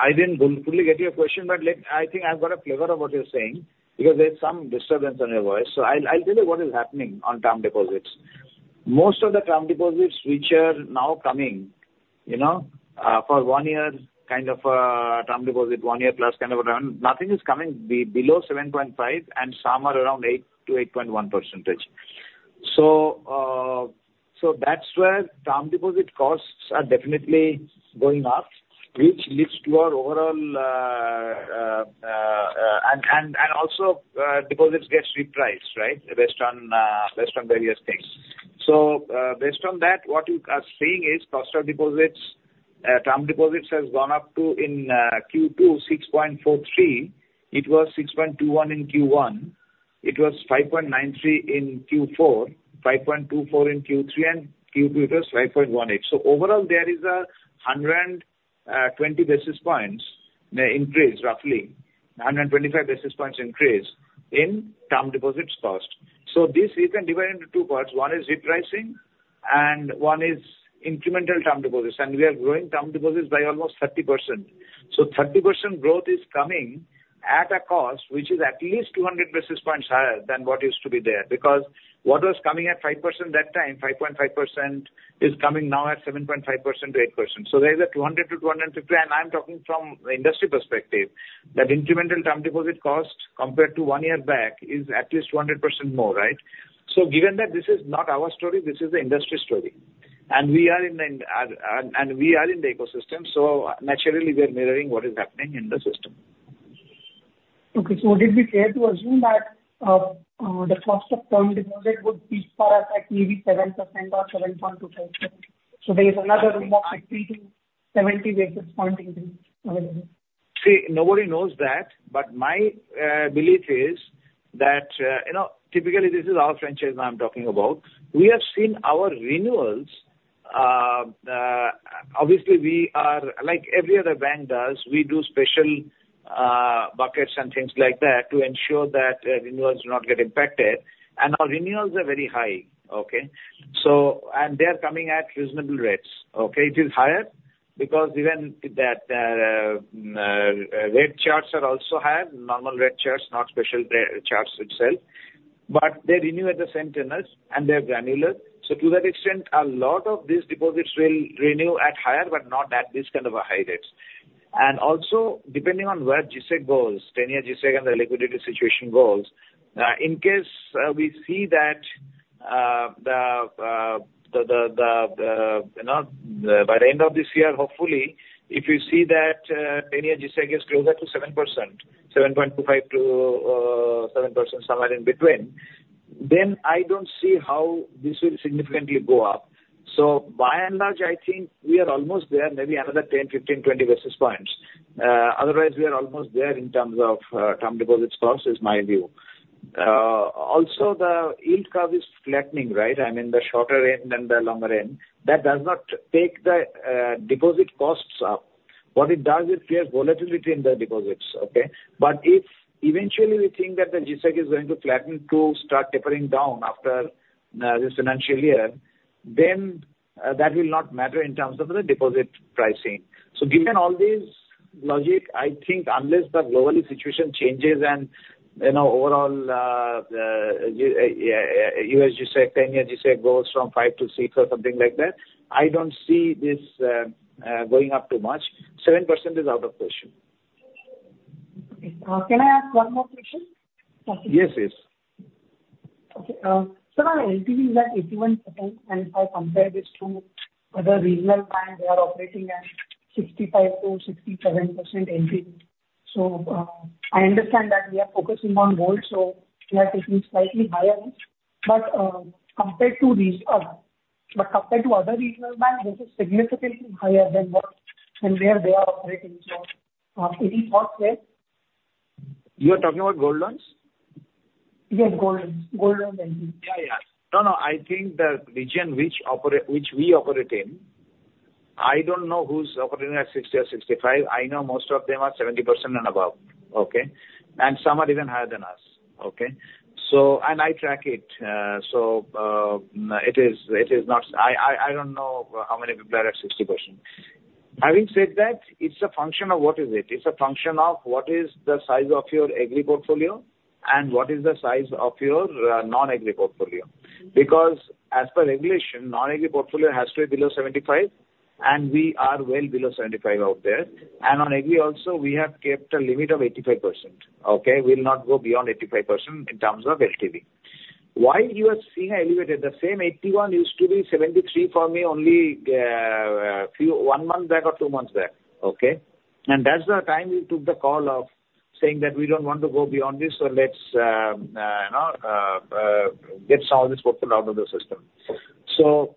I didn't fully get your question, but I think I've got a flavor of what you're saying, because there's some disturbance on your voice. So I'll tell you what is happening on term deposits. Most of the term deposits which are now coming, you know, for one year, kind of, term deposit, one year plus kind of a term, nothing is coming below 7.5%, and some are around 8%-8.1%. So that's where term deposit costs are definitely going up, which leads to our overall... And also, deposits get repriced, right? Based on various things. So based on that, what you are seeing is cost of deposits, term deposits has gone up to, in Q2, 6.43%. It was 6.21 in Q1. It was 5.93 in Q4, 5.24 in Q3, and Q2 it was 5.18. So overall, there is a hundred twenty basis points increase, roughly, 125 basis points increase in term deposits cost. So this you can divide into two parts. One is re-pricing and one is incremental term deposits, and we are growing term deposits by almost 30%. So 30% growth is coming at a cost which is at least 200 basis points higher than what used to be there. Because what was coming at 5% that time, 5.5%, is coming now at 7.5%-8%. So there is a 200-250, and I'm talking from the industry perspective, that incremental term deposit cost compared to one year back is at least 200% more, right? So given that this is not our story, this is the industry story, and we are in the ecosystem, so naturally we are mirroring what is happening in the system. Okay. So would it be fair to assume that the cost of term deposit would be for us at maybe 7% or 7.25%? So there is another 60-70 basis point increase available. See, nobody knows that, but my belief is that, you know, typically, this is our franchise I'm talking about. We have seen our renewals, obviously, we are like every other bank does, we do special buckets and things like that to ensure that renewals do not get impacted, and our renewals are very high, okay? So, and they are coming at reasonable rates, okay? It is higher because even that rate charts are also higher, normal rate charts, not special rate charts itself, but they renew at the same tenures, and they're granular. So to that extent, a lot of these deposits will renew at higher, but not at this kind of a high rates. Also, depending on where G-Sec goes, 10-year G-Sec and the liquidity situation goes, in case we see that the you know, by the end of this year, hopefully, if you see that 10-year G-Sec gets closer to 7%, 7.25%-7%, somewhere in between, then I don't see how this will significantly go up. So by and large, I think we are almost there, maybe another 10, 15, 20 basis points. Otherwise, we are almost there in terms of term deposits cost is my view. Also, the yield curve is flattening, right? I mean, the shorter end and the longer end. That does not take the deposit costs up. What it does is create volatility in the deposits, okay? If eventually we think that the G-Sec is going to flatten to start tapering down after this financial year, then that will not matter in terms of the deposit pricing. So given all this logic, I think unless the global situation changes and, you know, overall, U.S. G-Sec, 10-year G-Sec goes from five to six or something like that, I don't see this going up too much. 7% is out of question. Okay. Can I ask one more question? Yes, yes. Okay. Sir, our LTV is at 81%, and if I compare this to other regional banks, they are operating at 65%-67% LTV. So, I understand that we are focusing on growth, so we are taking slightly higher, but compared to these, but compared to other regional banks, this is significantly higher than what and where they are operating. So, any thoughts there? You are talking about gold loans? Yes, gold, gold loans and- Yeah, yeah. No, no, I think the region which we operate in, I don't know who's operating at 60 or 65. I know most of them are 70% and above, okay? And some are even higher than us, okay? So... And I track it, so, it is not-- I don't know how many people are at 60%. Having said that, it's a function of what is it? It's a function of what is the size of your agri portfolio and what is the size of your non-agri portfolio. Because as per regulation, non-agri portfolio has to be below 75, and we are well below 75 out there. And on agri also, we have kept a limit of 85%, okay? We'll not go beyond 85% in terms of LTV. Why you are seeing elevated, the same 81 used to be 73 for me only, few, one month back or two months back, okay? And that's the time we took the call of saying that we don't want to go beyond this, so let's, you know, get some of this portfolio out of the system. So,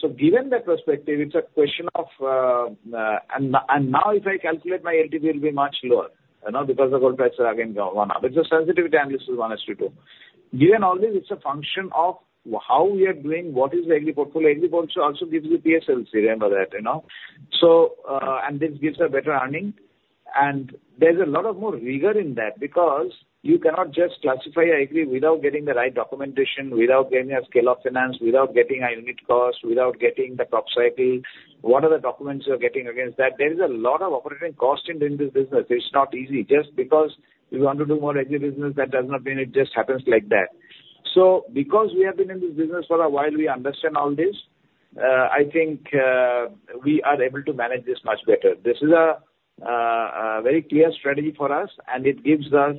so given that perspective, it's a question of... And now, and now if I calculate, my LTV will be much lower, you know, because the gold prices again go up. It's a sensitivity analysis, one is to two. Given all this, it's a function of how we are doing, what is the agri portfolio. Agri portfolio also gives you PSLC, remember that, you know? So, and this gives a better earning, and there's a lot of more rigor in that because you cannot just classify agri without getting the right documentation, without getting a scale of finance, without getting a unit cost, without getting the crop cycle. What are the documents you are getting against that? There is a lot of operating cost in doing this business. It's not easy. Just because you want to do more agri business, that does not mean it just happens like that. So because we have been in this business for a while, we understand all this, I think, we are able to manage this much better. This is a, a very clear strategy for us, and it gives us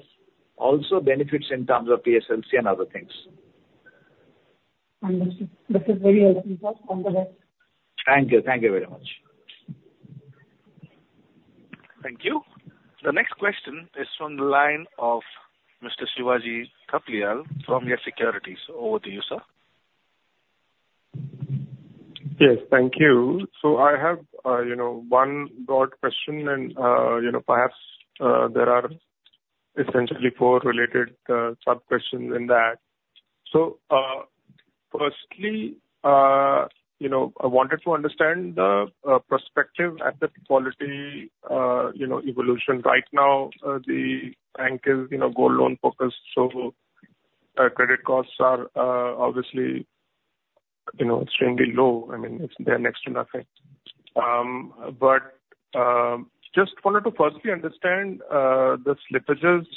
also benefits in terms of PSLC and other things. Understood. This is very helpful, sir. All the best. Thank you. Thank you very much. Thank you. The next question is from the line of Mr. Shivaji Thapliyal from YES Securities. Over to you, sir. ... Yes, thank you. So I have, you know, one broad question, and, you know, perhaps, there are essentially four related sub-questions in that. So, firstly, you know, I wanted to understand the perspective and the quality, you know, evolution. Right now, the bank is, you know, gold loan focused, so credit costs are, obviously, you know, extremely low. I mean, they're next to nothing. But, just wanted to firstly understand the slippages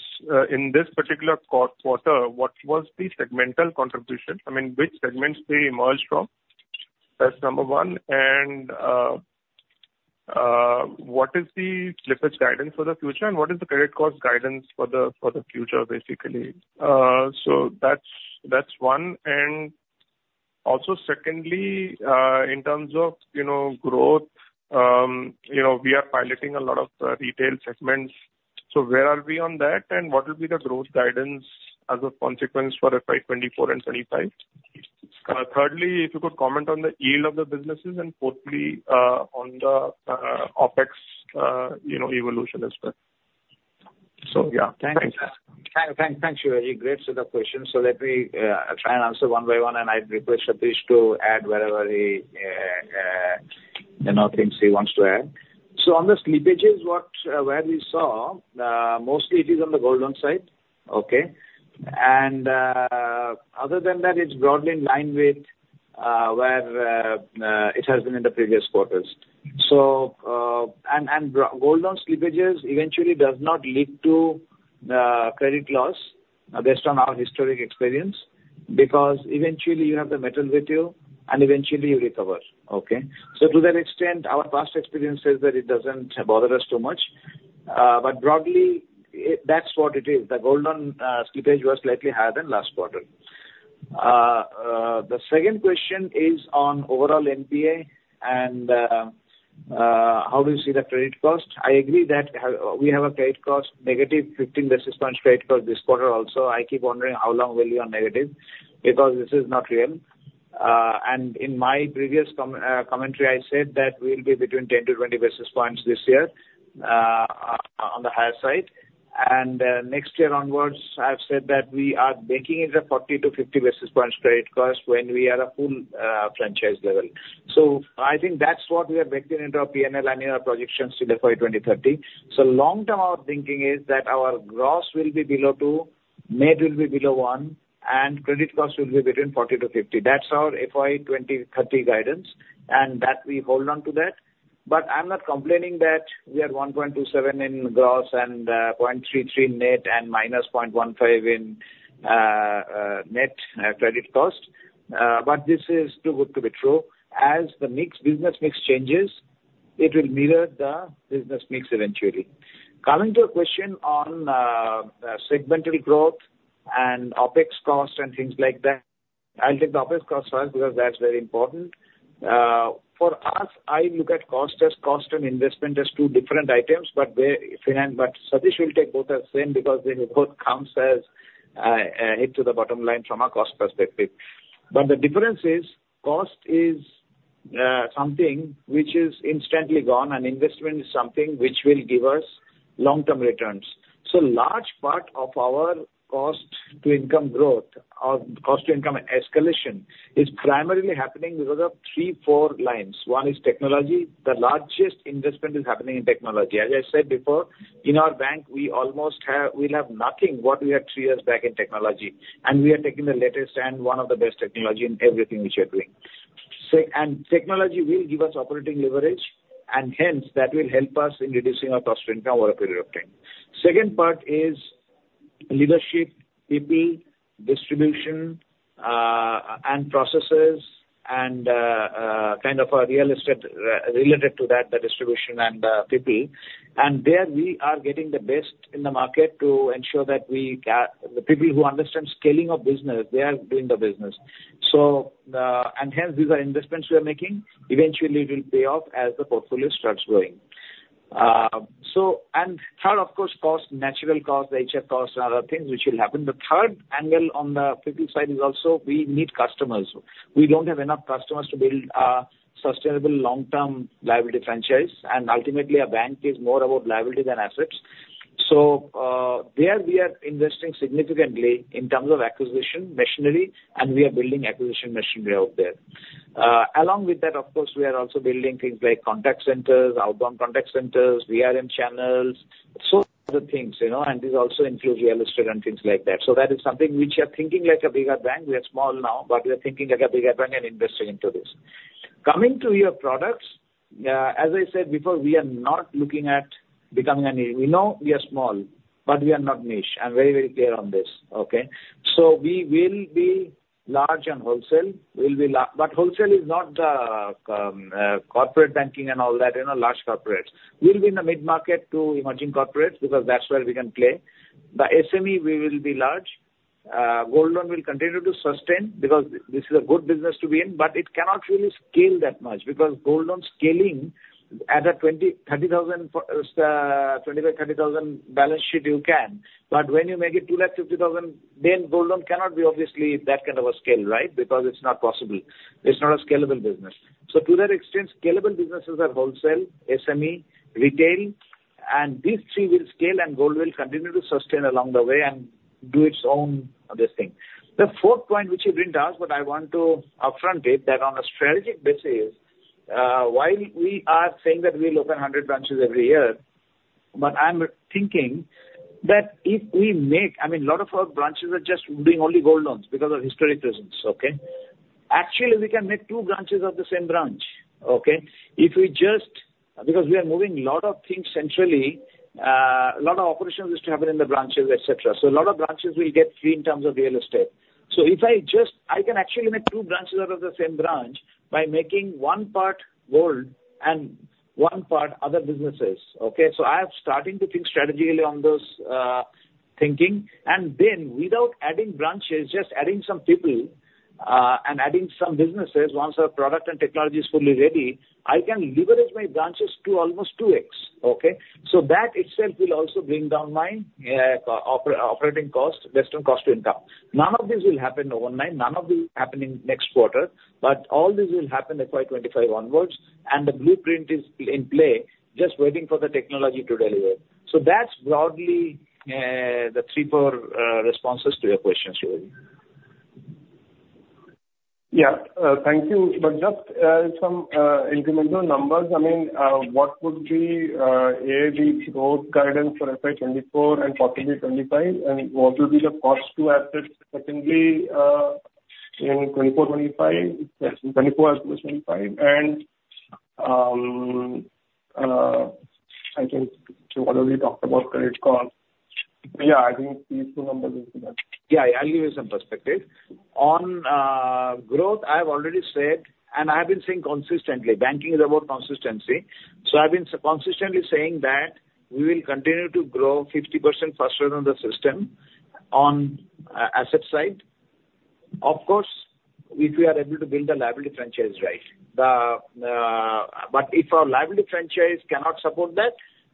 in this particular quarter, what was the segmental contribution? I mean, which segments they emerged from? That's number one, and, what is the slippage guidance for the future, and what is the credit cost guidance for the future, basically? So that's, that's one, and also secondly, in terms of, you know, growth, you know, we are piloting a lot of the retail segments, so where are we on that, and what will be the growth guidance as a consequence for FY 2024 and 2025? Thirdly, if you could comment on the yield of the businesses, and fourthly, on the, OpEx, you know, evolution as well. So, yeah, thank you. Thank you, Ajay. Great set of questions. So let me try and answer one by one, and I request Satish to add wherever he, you know, things he wants to add. So on the slippages, where we saw, mostly it is on the gold loan side. Okay? And other than that, it's broadly in line with where it has been in the previous quarters. So, and gold loan slippages eventually does not lead to credit loss based on our historic experience, because eventually you have the metal with you, and eventually you recover. Okay? So to that extent, our past experience says that it doesn't bother us too much. But broadly, that's what it is. The gold loan slippage was slightly higher than last quarter. The second question is on overall NPA and how do you see the credit cost? I agree that we have a credit cost, negative 15 basis point credit cost this quarter also. I keep wondering how long will we be on negative, because this is not real. In my previous commentary, I said that we'll be between 10-20 basis points this year, on the higher side. Next year onwards, I've said that we are baking in the 40-50 basis point credit cost when we are at full franchise level. I think that's what we are baking into our P&L and in our projections till FY 2030. Long-term, our thinking is that our gross will be below 2, net will be below 1, and credit cost will be between 40-50. That's our FY 2030 guidance, and that we hold on to that. But I'm not complaining that we are 1.27 in gross and 0.33 net and minus 0.15 in net credit cost. But this is too good to be true. As the mix, business mix changes, it will mirror the business mix eventually. Coming to your question on segmental growth and OpEx cost and things like that, I'll take the OpEx cost first, because that's very important. For us, I look at cost as cost and investment as two different items, but where, finance, but Satish will take both as same, because they both counts as hit to the bottom line from a cost perspective. But the difference is, cost is, something which is instantly gone, and investment is something which will give us long-term returns. So large part of our cost to income growth or cost to income escalation is primarily happening because of three, four lines. One is technology. The largest investment is happening in technology. As I said before, in our bank, we almost have we'll have nothing what we had three years back in technology, and we are taking the latest and one of the best technology in everything which we are doing. And technology will give us operating leverage, and hence, that will help us in reducing our cost to income over a period of time. Second part is leadership, people, distribution, and processes, and, kind of a real estate, related to that, the distribution and, people. There, we are getting the best in the market to ensure that the people who understand scaling of business, they are doing the business. So, and hence, these are investments we are making. Eventually, it will pay off as the portfolio starts growing. And third, of course, costs, natural costs, the HR costs and other things which will happen. The third angle on the people side is also we need customers. We don't have enough customers to build a sustainable long-term liability franchise, and ultimately, a bank is more about liability than assets. There we are investing significantly in terms of acquisition, machinery, and we are building acquisition machinery out there. Along with that, of course, we are also building things like contact centers, outbound contact centers, VRM channels, so other things, you know, and this also includes real estate and things like that. So that is something which we are thinking like a bigger bank. We are small now, but we are thinking like a bigger bank and investing into this. Coming to your products, as I said before, we are not looking at becoming a niche. We know we are small, but we are not niche. I'm very, very clear on this, okay? So we will be large and wholesale. We'll be but wholesale is not the corporate banking and all that, you know, large corporates. We'll be in the mid-market to emerging corporates, because that's where we can play. The SME, we will be large. Gold loan will continue to sustain because this is a good business to be in, but it cannot really scale that much, because gold loan at a 20,000-30,000, 25,000-30,000 balance sheet, you can, but when you make it 250,000, then gold loan cannot be obviously that kind of a scale, right? Because it's not possible. It's not a scalable business. So to that extent, scalable businesses are wholesale, SME, retail, and these three will scale and gold will continue to sustain along the way and do its own, this thing. The fourth point, which you didn't ask, but I want to upfront it, that on a strategic basis, while we are saying that we'll open 100 branches every year, but I'm thinking that if we make—I mean, a lot of our branches are just doing only gold loans because of historic reasons, okay? Actually, we can make two branches of the same branch, okay? If we just, because we are moving a lot of things centrally, a lot of operations used to happen in the branches, et cetera. So a lot of branches will get free in terms of real estate. So if I just, I can actually make two branches out of the same branch by making one part gold and one part other businesses, okay? So I am starting to think strategically on those, thinking. Then, without adding branches, just adding some people, and adding some businesses, once our product and technology is fully ready, I can leverage my branches to almost 2x, okay? So that itself will also bring down my operating cost, based on cost to income. None of this will happen overnight. None of this will happen in next quarter, but all this will happen in FY 2025 onwards, and the blueprint is in play, just waiting for the technology to deliver. So that's broadly the three core responses to your questions, Shivaji. Yeah, thank you. But just some incremental numbers. I mean, what would be a, the growth guidance for FY 2024 and possibly 2025, and what will be the cost to assets, secondly, in 2024, 2025, yes, 2024 as well as 2025, and I think you already talked about credit card. Yeah, I think these two numbers will be better. Yeah, I'll give you some perspective. On growth, I have already said, and I have been saying consistently, banking is about consistency. So I've been consistently saying that we will continue to grow 50% faster than the system on asset side. Of course, if we are able to build a liability franchise right. The, but if our liability franchise cannot support that,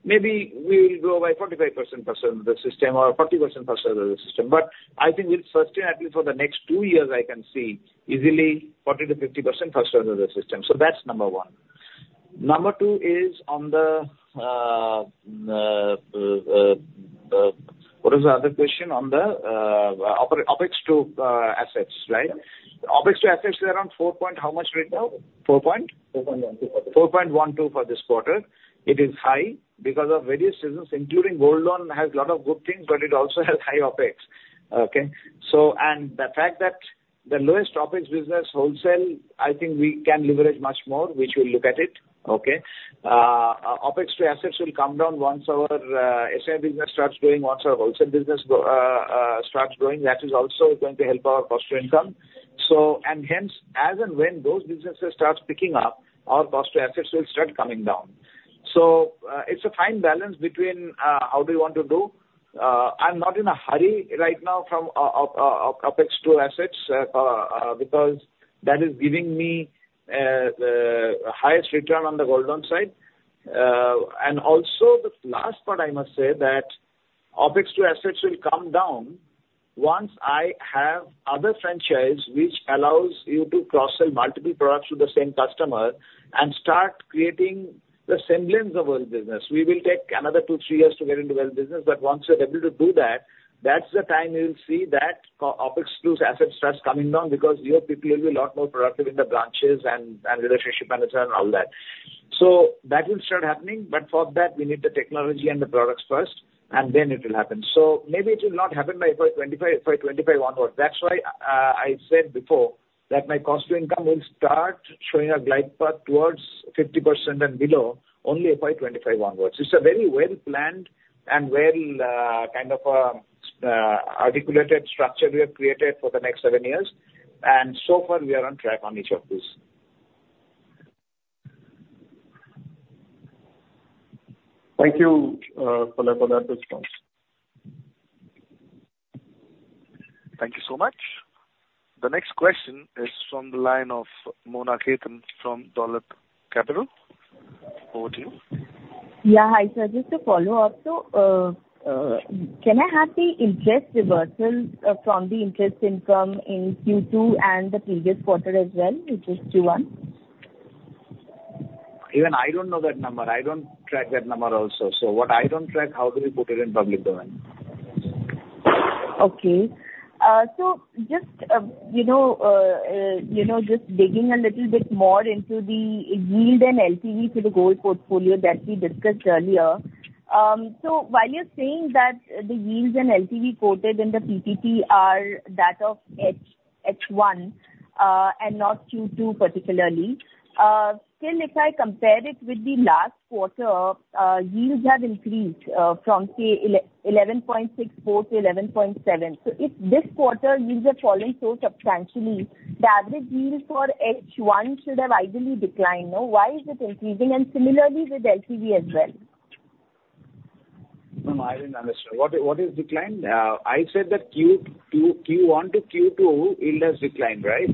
maybe we will grow by 45% faster than the system or 40% faster than the system. But I think we'll sustain, at least for the next two years, I can see easily 40%-50% faster than the system. So that's number one. Number two is on the, what is the other question? On the, OpEx to assets, right? OpEx to assets are around four point how much right now? Four point? 4.12. 4.12 for this quarter. It is high because of various reasons, including gold loan has a lot of good things, but it also has high OpEx, okay? So, and the fact that the lowest OpEx business, wholesale, I think we can leverage much more, which we'll look at it, okay? OpEx to assets will come down once our SME business starts growing, once our wholesale business go starts growing, that is also going to help our cost to income. So and hence, as and when those businesses start picking up, our cost to assets will start coming down. So, it's a fine balance between how we want to do. I'm not in a hurry right now from OpEx to assets because that is giving me the highest return on the gold loan side. And also the last part, I must say, that OpEx to assets will come down once I have other franchise, which allows you to cross-sell multiple products to the same customer and start creating the semblance of our business. We will take another 2-3 years to get into that business, but once we're able to do that, that's the time you'll see that OpEx to assets starts coming down because your people will be a lot more productive in the branches and relationship manager and all that. So that will start happening, but for that, we need the technology and the products first, and then it will happen. So maybe it will not happen by FY 2025, FY 2025 onwards. That's why, I said before, that my cost to income will start showing a glide path towards 50% and below, only FY 2025 onwards. It's a very well-planned and well, kind of, articulated structure we have created for the next seven years, and so far we are on track on each of these. Thank you, Pralay Mondal, for that response. Thank you so much. The next question is from the line of Mona Khetan from Dolat Capital. Over to you. Yeah, hi, sir, just a follow-up. So, can I have the interest reversals from the interest income in Q2 and the previous quarter as well, which is Q1? Even I don't know that number. I don't track that number also. So what I don't track, how do we put it in public domain? Okay. So just, you know, just digging a little bit more into the yield and LTV to the gold portfolio that we discussed earlier. So while you're saying that the yields and LTV quoted in the PPT are that of H1 and not Q2 particularly, still, if I compare it with the last quarter, yields have increased from say 11.64 to 11.7. So if this quarter yields have fallen so substantially, the average yields for H1 should have ideally declined, no? Why is it increasing? And similarly with LTV as well.... No, no, I didn't understand. What is, what is declined? I said that Q, Q, Q one to Q two yield has declined, right?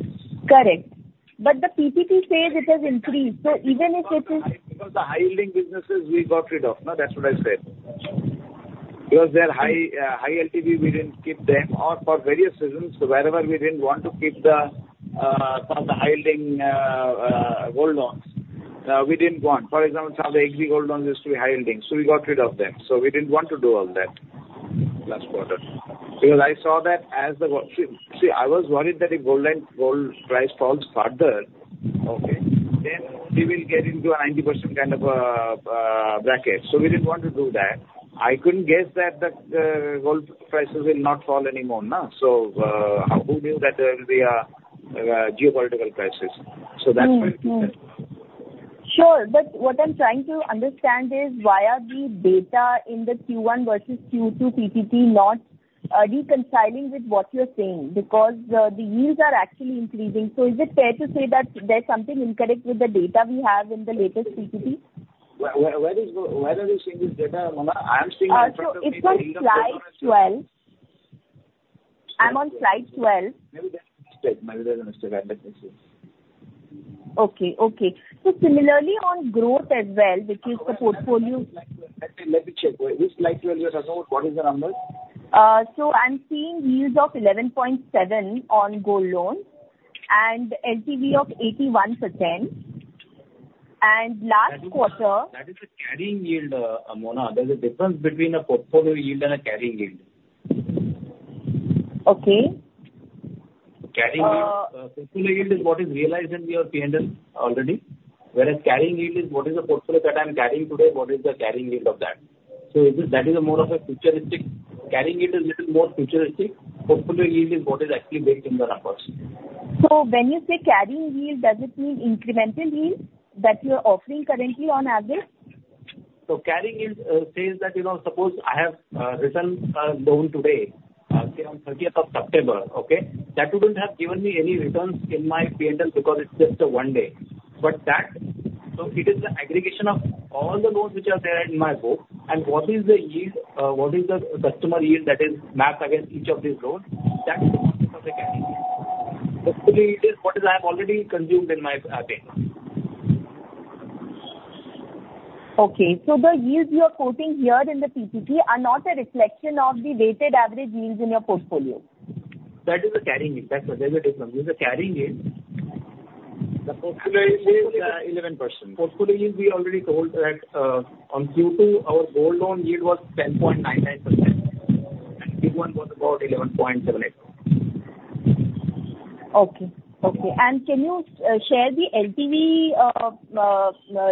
Correct. But the PPT says it has increased, so even if it is- Because the high-yielding businesses we got rid of, no? That's what I said. Because they're high, high LTV, we didn't keep them or for various reasons, so wherever we didn't want to keep the, some of the high-yielding, gold loans, we didn't want. For example, some of the AG gold loans used to be high-yielding, so we got rid of them. So we didn't want to do all that last quarter. Because I saw that as the gold. See, see, I was worried that if gold and gold price falls further, okay, then we will get into a 90% kind of, bracket. So we didn't want to do that. I couldn't guess that the, gold prices will not fall anymore, no? So, who knew that there will be a geopolitical crisis? So that's why. Mm, mm. Sure, but what I'm trying to understand is why are the data in the Q1 versus Q2 PPT not reconciling with what you're saying? Because the yields are actually increasing. So is it fair to say that there's something incorrect with the data we have in the latest PPT? Where are you seeing this data, Mona? I'm seeing- So it's on slide 12. I'm on slide 12. Maybe there's a mistake. Maybe there's a mistake, let me see. Okay, okay. So similarly, on growth as well, which is the portfolio- Let me check. Which slide 12 you are talking about? What is the numbers? So I'm seeing yields of 11.7 on gold loans, and LTV of 81%. Last quarter- That is a carrying yield, Mona. There's a difference between a portfolio yield and a carrying yield. Okay. Carrying yield, portfolio yield is what is realized in your P&L already, whereas carrying yield is what is the portfolio that I'm carrying today, what is the carrying yield of that? Carrying yield is little more futuristic. Portfolio yield is what is actually baked in the numbers. When you say carrying yield, does it mean incremental yield that you're offering currently on average? So carrying yield says that, you know, suppose I have written a loan today, say on thirtieth of September, okay? That wouldn't have given me any returns in my P&L because it's just a one day. But that, so it is the aggregation of all the loans which are there in my book, and what is the yield, what is the customer yield that is mapped against each of these loans, that's the concept of a carrying yield. Basically, it is what is I have already consumed in my account. Okay, so the yields you are quoting here in the PPT are not a reflection of the weighted average yields in your portfolio? That is a carrying yield. That's where there's a difference. The carrying yield- The portfolio yield is, 11%. Portfolio yield, we already told that, on Q2, our gold loan yield was 10.99%, and Q1 was about 11.78%. Okay. Okay, and can you share the LTV,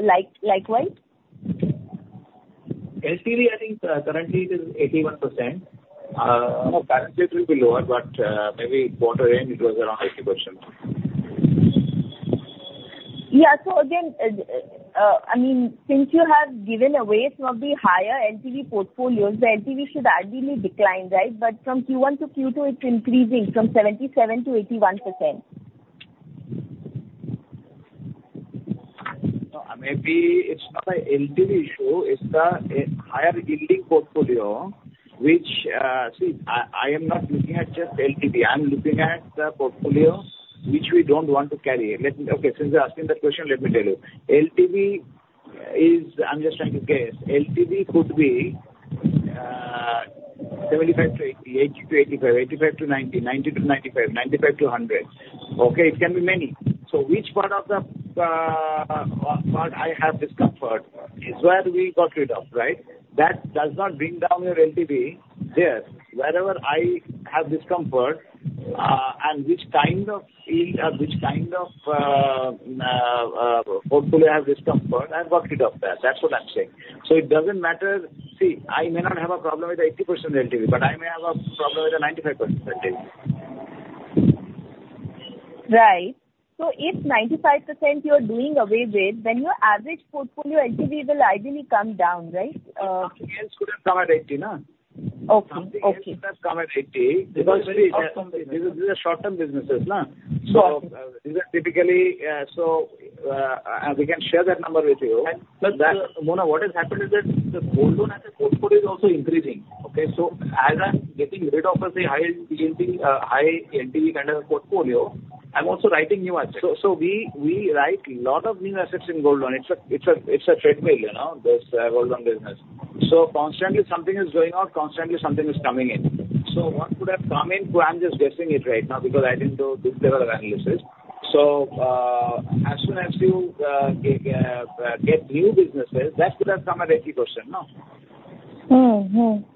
like, likewise? LTV, I think, currently it is 81%. Balance sheet will be lower, but, maybe quarter end, it was around 80%. Yeah, so again, I mean, since you have given away some of the higher LTV portfolios, the LTV should ideally decline, right? But from Q1 to Q2, it's increasing from 77%-81%. No, maybe it's not a LTV issue, it's the higher-yielding portfolio which... See, I, I am not looking at just LTV, I'm looking at the portfolio which we don't want to carry. Let me... Okay, since you're asking that question, let me tell you. LTV is, I'm just trying to guess, LTV could be 75-80, 80-85, 85-90, 90-95, 95-100. Okay, it can be many. So which part of the part I have discomfort is where we got rid of, right? That does not bring down your LTV there. Wherever I have discomfort, and which kind of yield or which kind of portfolio I have discomfort, I've got rid of that. That's what I'm saying. So it doesn't matter... See, I may not have a problem with the 80% LTV, but I may have a problem with a 95% LTV. Right. So if 95% you are doing away with, then your average portfolio LTV will ideally come down, right? Something else could have come at 80, no? Okay, okay. Something else could have come at 80 because these are short-term businesses, no? So these are typically, so we can share that number with you. And plus, Mona, what has happened is that the gold loan as a portfolio is also increasing, okay? So as I'm getting rid of, let's say, high LTV, high LTV kind of portfolio, I'm also writing new assets. So we write lot of new assets in gold loan. It's a treadmill, you know, this gold loan business. So constantly something is going out, constantly something is coming in. So what could have come in? So I'm just guessing it right now because I didn't do this level of analysis. So, as soon as you get new businesses, that could have come at 80%, no? Mm-hmm.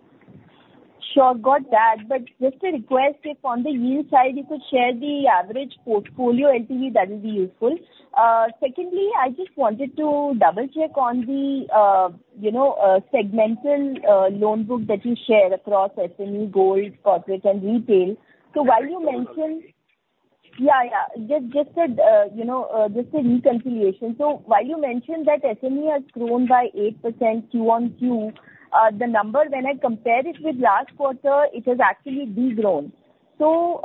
Sure, got that. But just a request, if on the yield side you could share the average portfolio LTV, that will be useful. Secondly, I just wanted to double-check on the, you know, segmental, loan book that you share across SME, gold, corporate, and retail. So while you mentioned-.. Yeah, yeah. Just, just a, you know, just a reconciliation. So while you mentioned that SME has grown by 8% QoQ, the number, when I compare it with last quarter, it has actually de-grown. So,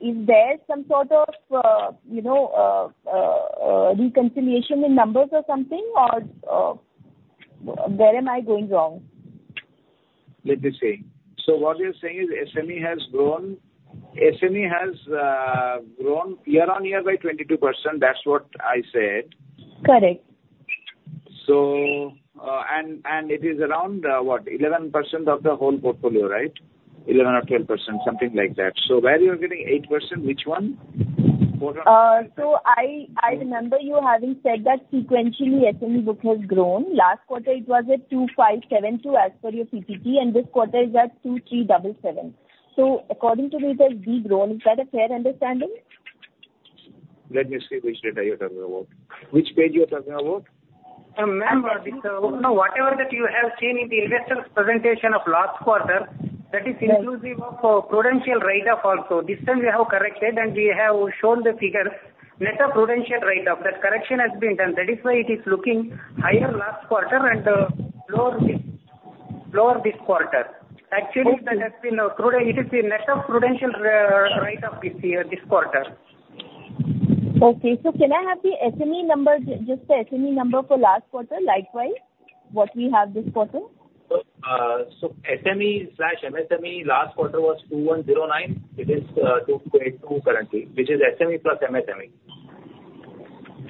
is there some sort of, you know, reconciliation in numbers or something, or, where am I going wrong? Let me see. So what you're saying is SME has grown, SME has, grown year-on-year by 22%. That's what I said. Correct. So, it is around, what? 11% of the whole portfolio, right? 11% or 10%, something like that. So where you are getting 8%, which one? So I remember you having said that sequentially, SME book has grown. Last quarter, it was at 2,572 as per your PPT, and this quarter is at 2,377. So according to me, it has de-grown. Is that a fair understanding? Let me see which data you're talking about. Which page you are talking about? Ma'am, no, whatever that you have seen in the investor's presentation of last quarter, that is inclusive of prudential write-off also. This time we have corrected, and we have shown the figures, net of prudential write-off. That correction has been done. That is why it is looking higher last quarter and lower this quarter. Actually, that has been, it is the net of prudential write-off this year, this quarter. Okay. So can I have the SME number, just the SME number for last quarter, likewise, what we have this quarter? SME/MSME last quarter was 2,109. It is 2,282 currently, which is SME plus MSME.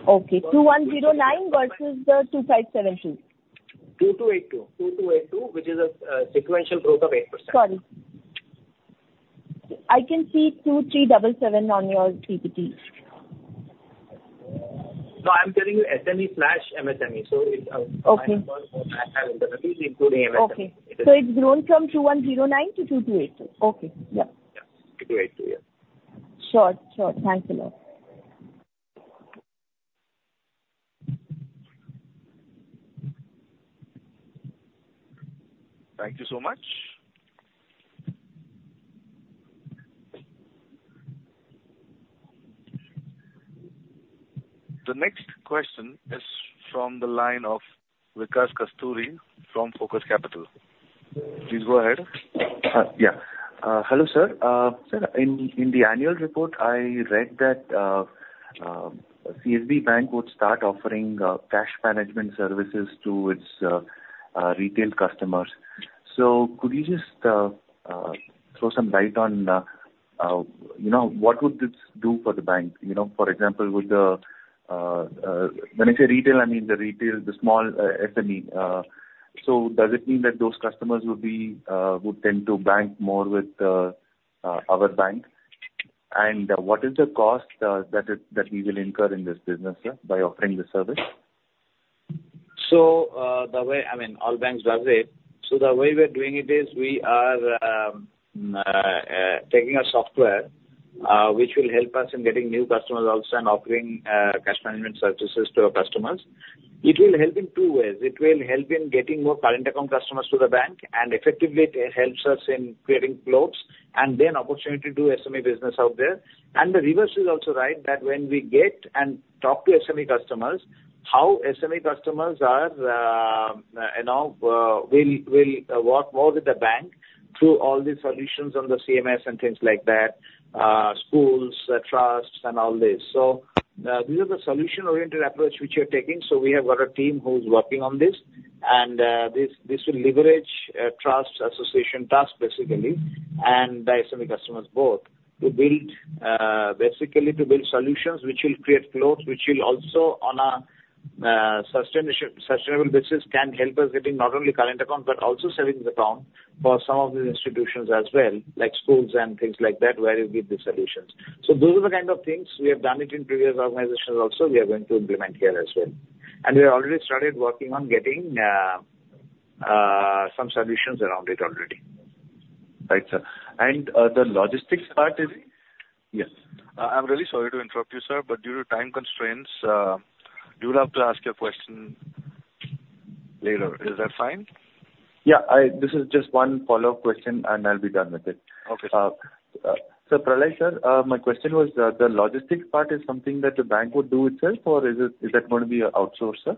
Okay. 2,109 versus the 2,572. 2,282. 2,282, which is a sequential growth of 8%. Sorry. I can see 2,377 on your PPT. No, I'm telling you SME/MSME, so it's, Okay. Including MSME. Okay. So it's grown from 2,109 to 2,282. Okay. Yeah. Yeah. 2,282, yeah. Sure. Sure. Thanks a lot. Thank you so much. The next question is from the line of Vikas Kasturi from Focus Capital. Please go ahead. Yeah. Hello, sir. Sir, in the annual report, I read that CSB Bank would start offering cash management services to its retail customers. So could you just throw some light on, you know, what would this do for the bank? You know, for example, when I say retail, I mean the retail, the small SME. So does it mean that those customers will be, would tend to bank more with our bank? And what is the cost that it, that we will incur in this business, yeah, by offering this service? So, I mean, all banks does it. So the way we are doing it is we are taking a software which will help us in getting new customers also and offering cash management services to our customers. It will help in two ways. It will help in getting more current account customers to the bank, and effectively, it helps us in creating flows, and then opportunity to do SME business out there. And the reverse is also right, that when we get and talk to SME customers, how SME customers are, you know, will work more with the bank through all the solutions on the CMS and things like that, schools, trusts and all this. So, these are the solution-oriented approach which we are taking. So we have got a team who is working on this, and this will leverage trust, association trust, basically, and the SME customers both, to build basically to build solutions which will create flows, which will also on a sustainable basis, can help us getting not only current accounts, but also savings account for some of these institutions as well, like schools and things like that, where you give the solutions. So those are the kind of things we have done it in previous organizations also, we are going to implement here as well. And we have already started working on getting some solutions around it already. Right, sir. And, the logistics part is- Yes. I'm really sorry to interrupt you, sir, but due to time constraints, you will have to ask your question later. Is that fine? Yeah, this is just one follow-up question, and I'll be done with it. Okay. So, Pralay, sir, my question was, the logistics part is something that the bank would do itself, or is it, is that going to be outsourced, sir?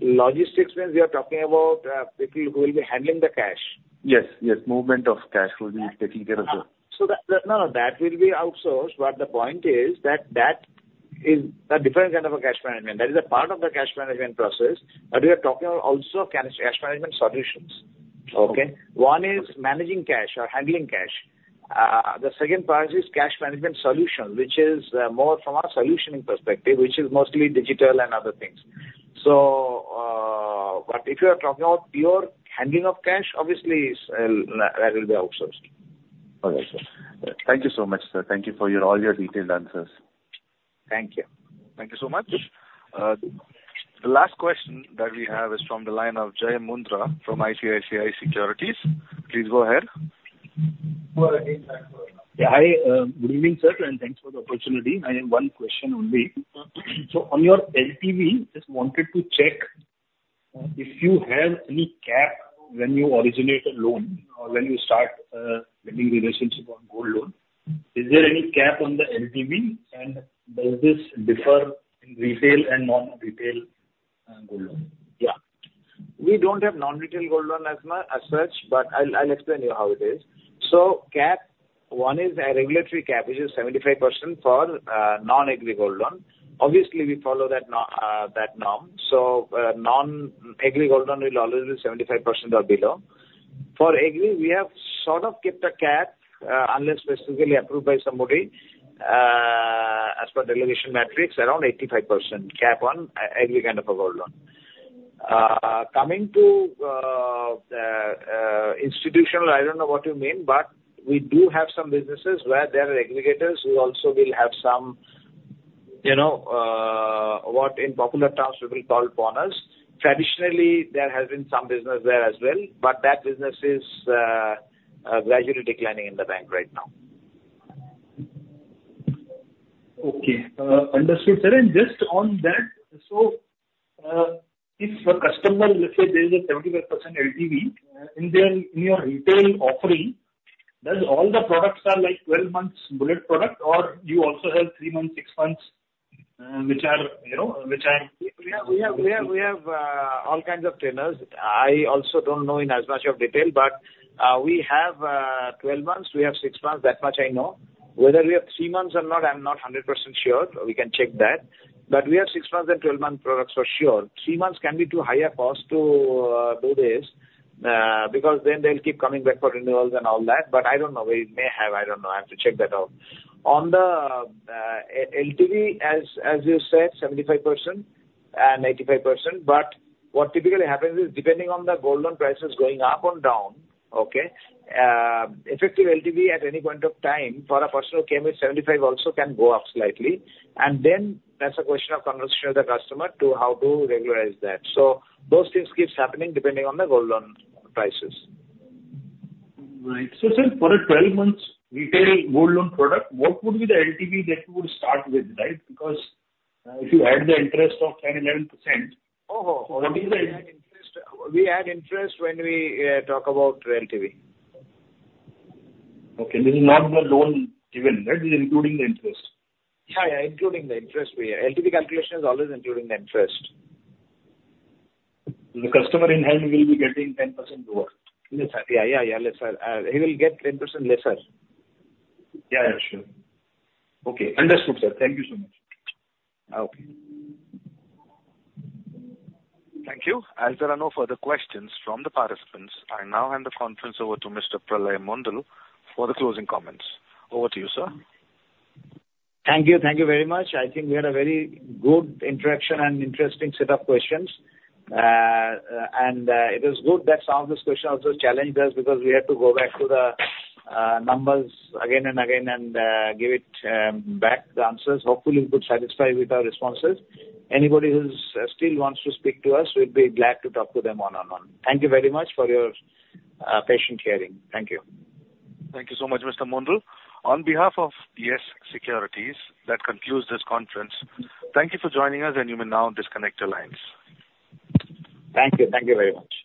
Logistics means we are talking about people who will be handling the cash. Yes, yes. Movement of cash will be taken care of, sir. So, no, that will be outsourced, but the point is that that is a different kind of a cash management. That is a part of the cash management process, but we are talking about also cash management solutions. Okay. One is managing cash or handling cash. The second part is cash management solution, which is more from a solutioning perspective, which is mostly digital and other things. But if you are talking about pure handling of cash, obviously, that will be outsourced. Okay, sir. Thank you so much, sir. Thank you for your, all your detailed answers. Thank you. Thank you so much. The last question that we have is from the line of Jai Mundhra from ICICI Securities. Please go ahead. Yeah, hi, good evening, sir, and thanks for the opportunity. I have one question only. So on your LTV, just wanted to check, if you have any cap when you originate a loan or when you start, building relationship on gold loan. Is there any cap on the LTV, and does this differ in retail and non-retail, gold loan? Yeah.... We don't have non-retail gold loan as such, but I'll explain to you how it is. So cap, one is a regulatory cap, which is 75% for non-agri gold loan. Obviously, we follow that norm. So non-agri gold loan will always be 75% or below. For agri, we have sort of kept a cap, unless specifically approved by somebody, as per delegation matrix, around 85% cap on agri kind of a gold loan. Coming to the institutional, I don't know what you mean, but we do have some businesses where there are aggregators who also will have some, you know, what in popular terms we will call bonders. Traditionally, there has been some business there as well, but that business is gradually declining in the bank right now. Okay, understood, sir. And just on that, so, if a customer, let's say there is a 75% LTV, in their, in your retail offering, does all the products are like 12 months bullet product, or you also have three months, six months, which are, you know, which are- We have all kinds of tenures. I also don't know in as much detail, but we have 12 months, we have six months, that much I know. Whether we have three months or not, I'm not 100% sure. We can check that. But we have six months and 12-month products for sure. Three months can be to higher cost to do this, because then they'll keep coming back for renewals and all that, but I don't know. We may have, I don't know. I have to check that out. On the LTV, as you said, 75% and 85%, but what typically happens is, depending on the gold loan prices going up or down, okay, effective LTV at any point of time for a personal came with 75, also can go up slightly. And then that's a question of conversation with the customer to how to regularize that. So those things keeps happening depending on the gold loan prices. Right. So sir, for a 12-month retail gold loan product, what would be the LTV that you would start with, right? Because, if you add the interest of 10%-11%- Oh, oh. What is the- We add interest, we add interest when we talk about LTV. Okay. This is not the loan given, right? This is including the interest. Yeah, yeah, including the interest. We, LTV calculation is always including the interest. The customer in hand will be getting 10% lower? Yes, sir. Yeah, yeah, yeah, lesser. He will get 10% lesser. Yeah, yeah, sure. Okay, understood, sir. Thank you so much. Okay. Thank you. As there are no further questions from the participants, I now hand the conference over to Mr. Pralay Mondal for the closing comments. Over to you, sir. Thank you. Thank you very much. I think we had a very good interaction and interesting set of questions. It is good that some of these questions also challenged us, because we had to go back to the numbers again and again and give it back the answers. Hopefully, you could satisfy with our responses. Anybody who's still wants to speak to us, we'd be glad to talk to them one-on-one. Thank you very much for your patient hearing. Thank you. Thank you so much, Mr. Mondal. On behalf of Yes Securities, that concludes this conference. Thank you for joining us, and you may now disconnect your lines. Thank you. Thank you very much.